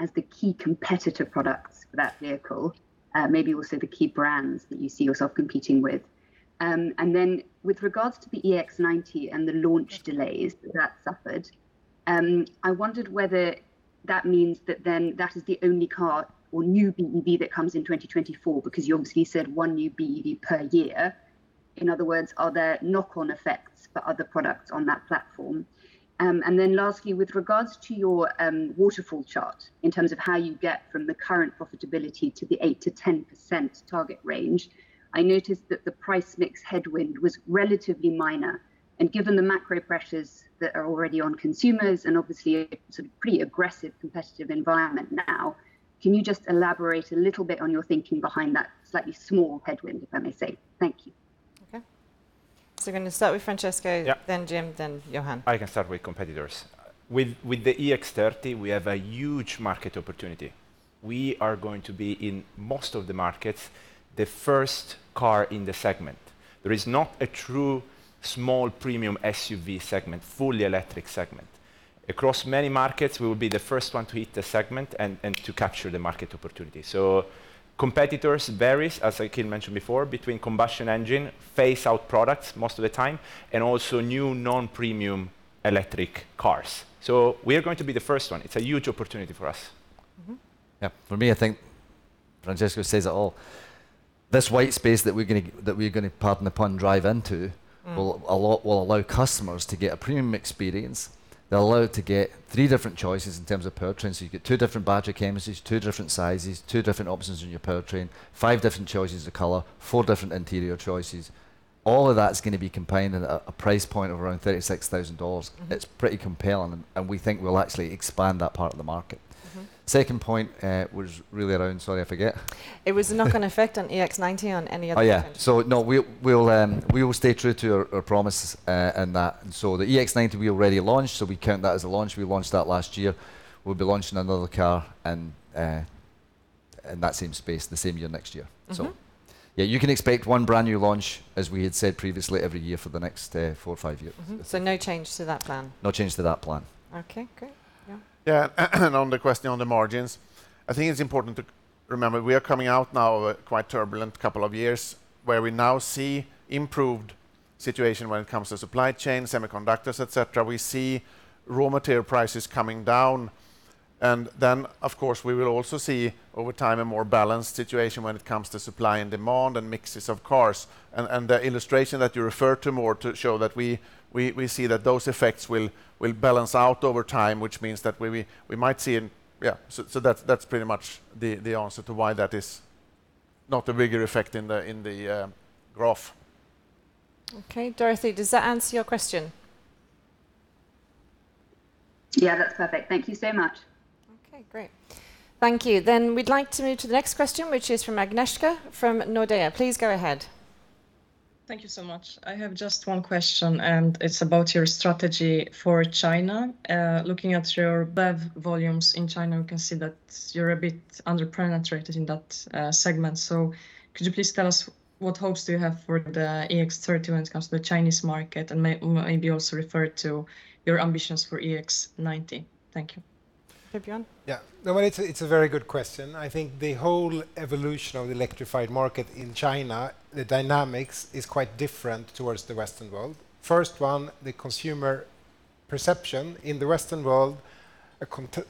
as the key competitor products for that vehicle? Maybe also the key brands that you see yourself competing with. With regards to the EX90 and the launch delays that suffered, I wondered whether that means that then that is the only car or new BEV that comes in 2024, because you obviously said one new BEV per year. In other words, are there knock-on effects for other products on that platform? Lastly, with regards to your waterfall chart, in terms of how you get from the current profitability to the 8%-10% target range, I noticed that the price mix headwind was relatively minor, and given the macro pressures that are already on consumers and obviously a sort of pretty aggressive competitive environment now, can you just elaborate a little bit on your thinking behind that slightly small headwind, if I may say? Thank you. Okay. We're going to start with Francesco. Yep.... then Jim, then Johan. I can start with competitors. With the EX30, we have a huge market opportunity. We are going to be, in most of the markets, the first car in the segment. There is not a true small premium SUV segment, fully electric segment. Across many markets, we will be the first one to hit the segment and to capture the market opportunity. Competitors varies, as Akhil mentioned before, between combustion engine, phase out products most of the time, and also new non-premium electric cars. We are going to be the first one. It's a huge opportunity for us. Mm-hmm. Yeah. For me, I think Francesco says it all. This white space that we're gonna, pardon the pun, drive into- Mm... will allow customers to get a premium experience. They're allowed to get three different choices in terms of powertrain, you get two different battery chemistries, two different sizes, two different options on your powertrain, five different choices of color, four different interior choices. All of that's gonna be combined at a price point of around $36,000. Mm-hmm. It's pretty compelling, and we think we'll actually expand that part of the market. Mm-hmm. Second point. Sorry, I forget. It was a knock-on effect on EX90 on any other changes. Yeah. No, we'll stay true to our promise in that. The EX90 we already launched, so we count that as a launch. We launched that last year. We'll be launching another car in that same space, the same year, next year. Mm-hmm. Yeah, you can expect one brand-new launch, as we had said previously, every year for the next, four or five years. Mm-hmm. No change to that plan? No change to that plan. Okay, great. Johan? Yeah, on the question on the margins, I think it's important to remember we are coming out now of a quite turbulent couple of years, where we now see improved situation when it comes to supply chain, semiconductors, et cetera. We see raw material prices coming down, then, of course, we will also see, over time, a more balanced situation when it comes to supply and demand and mixes of cars. The illustration that you refer to more to show that we see that those effects will balance out over time, which means that we might see an. So that's pretty much the answer to why that is not a bigger effect in the growth. Okay, Dorothee, does that answer your question? Yeah, that's perfect. Thank you so much. Okay, great. Thank you. We'd like to move to the next question, which is from Agnieszka from Nordea. Please go ahead. Thank you so much. I have just one question, and it's about your strategy for China. Looking at your BEV volumes in China, we can see that you're a bit underpenetrated in that segment. Could you please tell us what hopes do you have for the EX30 when it comes to the Chinese market, and maybe also refer to your ambitions for EX90? Thank you. Björn? Yeah. No, it's a, it's a very good question. I think the whole evolution of the electrified market in China, the dynamics is quite different towards the Western world. First one, the consumer perception. In the Western world,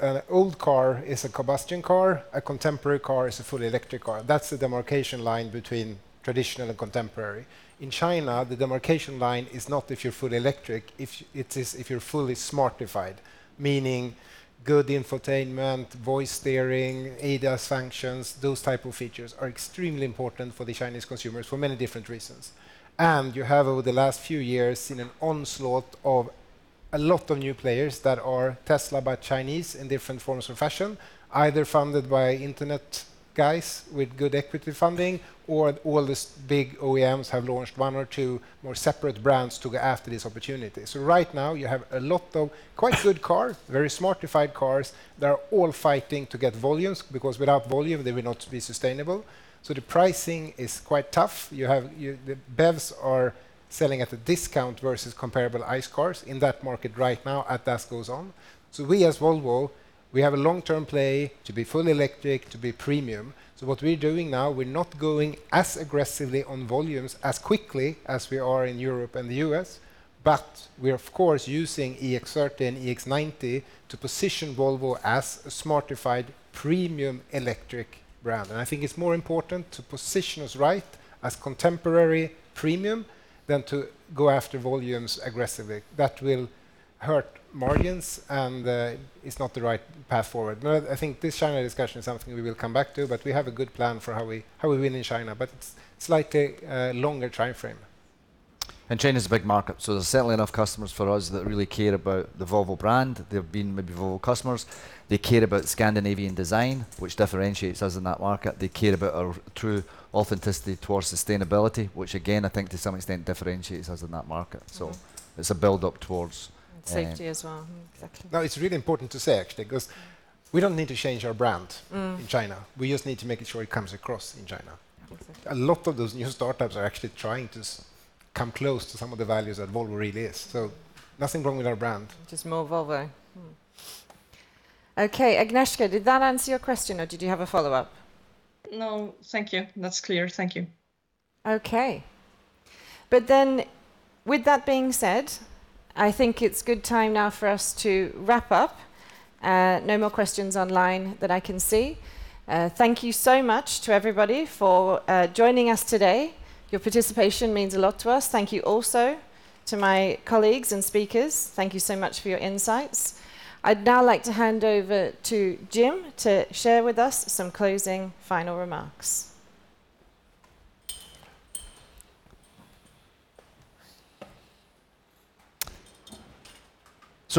an old car is a combustion car, a contemporary car is a fully electric car. That's the demarcation line between traditional and contemporary. In China, the demarcation line is not if you're fully electric, it is if you're fully smartified, meaning good infotainment, voice steering, ADAS functions, those type of features are extremely important for the Chinese consumers for many different reasons. You have, over the last few years, seen an onslaught of a lot of new players that are Tesla, but Chinese in different forms or fashion, either funded by internet guys with good equity funding, or all these big OEMs have launched one or two more separate brands to go after this opportunity. Right now, you have a lot of quite good cars, very smartified cars, that are all fighting to get volumes, because without volume, they will not be sustainable. The pricing is quite tough. You have, the BEVs are selling at a discount versus comparable ICE cars in that market right now, as that goes on. We, as Volvo, we have a long-term play to be fully electric, to be premium. What we're doing now, we're not going as aggressively on volumes as quickly as we are in Europe and the U.S., but we're, of course, using EX30 and EX90 to position Volvo as a smartified premium electric brand. I think it's more important to position us right as contemporary premium than to go after volumes aggressively. That will hurt margins, and it's not the right path forward. I think this China discussion is something we will come back to, but we have a good plan for how we win in China, but it's slightly longer time frame. China is a big market, so there's certainly enough customers for us that really care about the Volvo brand. They've been maybe Volvo customers. They care about Scandinavian design, which differentiates us in that market. They care about our true authenticity towards sustainability, which again, I think to some extent, differentiates us in that market. Mm-hmm. It's a build-up towards. Safety as well. Exactly. No, it's really important to say, actually, 'cause we don't need to change our brand- Mm in China. We just need to make sure it comes across in China. Exactly. A lot of those new startups are actually trying to come close to some of the values that Volvo really is. Nothing wrong with our brand. Just more Volvo. Okay, Agnieszka, did that answer your question, or did you have a follow-up? No. Thank you. That's clear. Thank you. With that being said, I think it's good time now for us to wrap up. No more questions online that I can see. Thank you so much to everybody for joining us today. Your participation means a lot to us. Thank you also to my colleagues and speakers. Thank you so much for your insights. I'd now like to hand over to Jim to share with us some closing final remarks.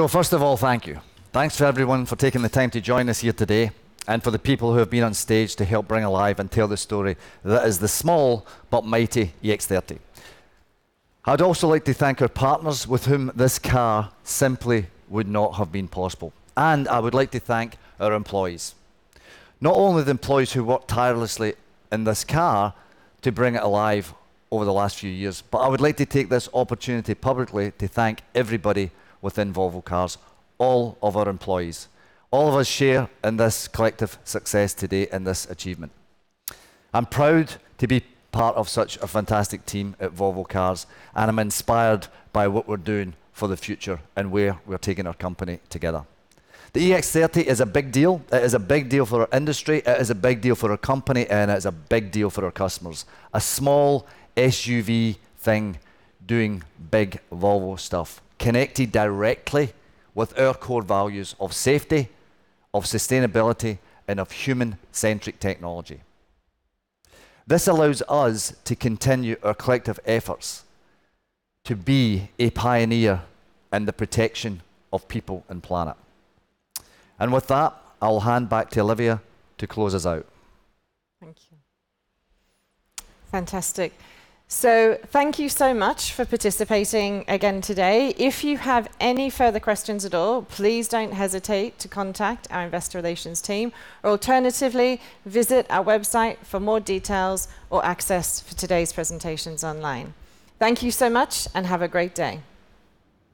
First of all, thank you. Thanks for everyone for taking the time to join us here today and for the people who have been on stage to help bring alive and tell the story that is the small but mighty EX30. I'd also like to thank our partners with whom this car simply would not have been possible. I would like to thank our employees, not only the employees who worked tirelessly in this car to bring it alive over the last few years, but I would like to take this opportunity publicly to thank everybody within Volvo Cars, all of our employees. All of us share in this collective success today and this achievement. I'm proud to be part of such a fantastic team at Volvo Cars, and I'm inspired by what we're doing for the future and where we're taking our company together. The EX30 is a big deal. It is a big deal for our industry, it is a big deal for our company, and it's a big deal for our customers. A small SUV thing doing big Volvo stuff, connected directly with our core values of safety, of sustainability, and of human-centric technology. This allows us to continue our collective efforts to be a pioneer in the protection of people and planet. With that, I'll hand back to Olivia to close us out. Thank you. Fantastic. Thank you so much for participating again today. If you have any further questions at all, please don't hesitate to contact our investor relations team, or alternatively, visit our website for more details or access for today's presentations online. Thank you so much, and have a great day.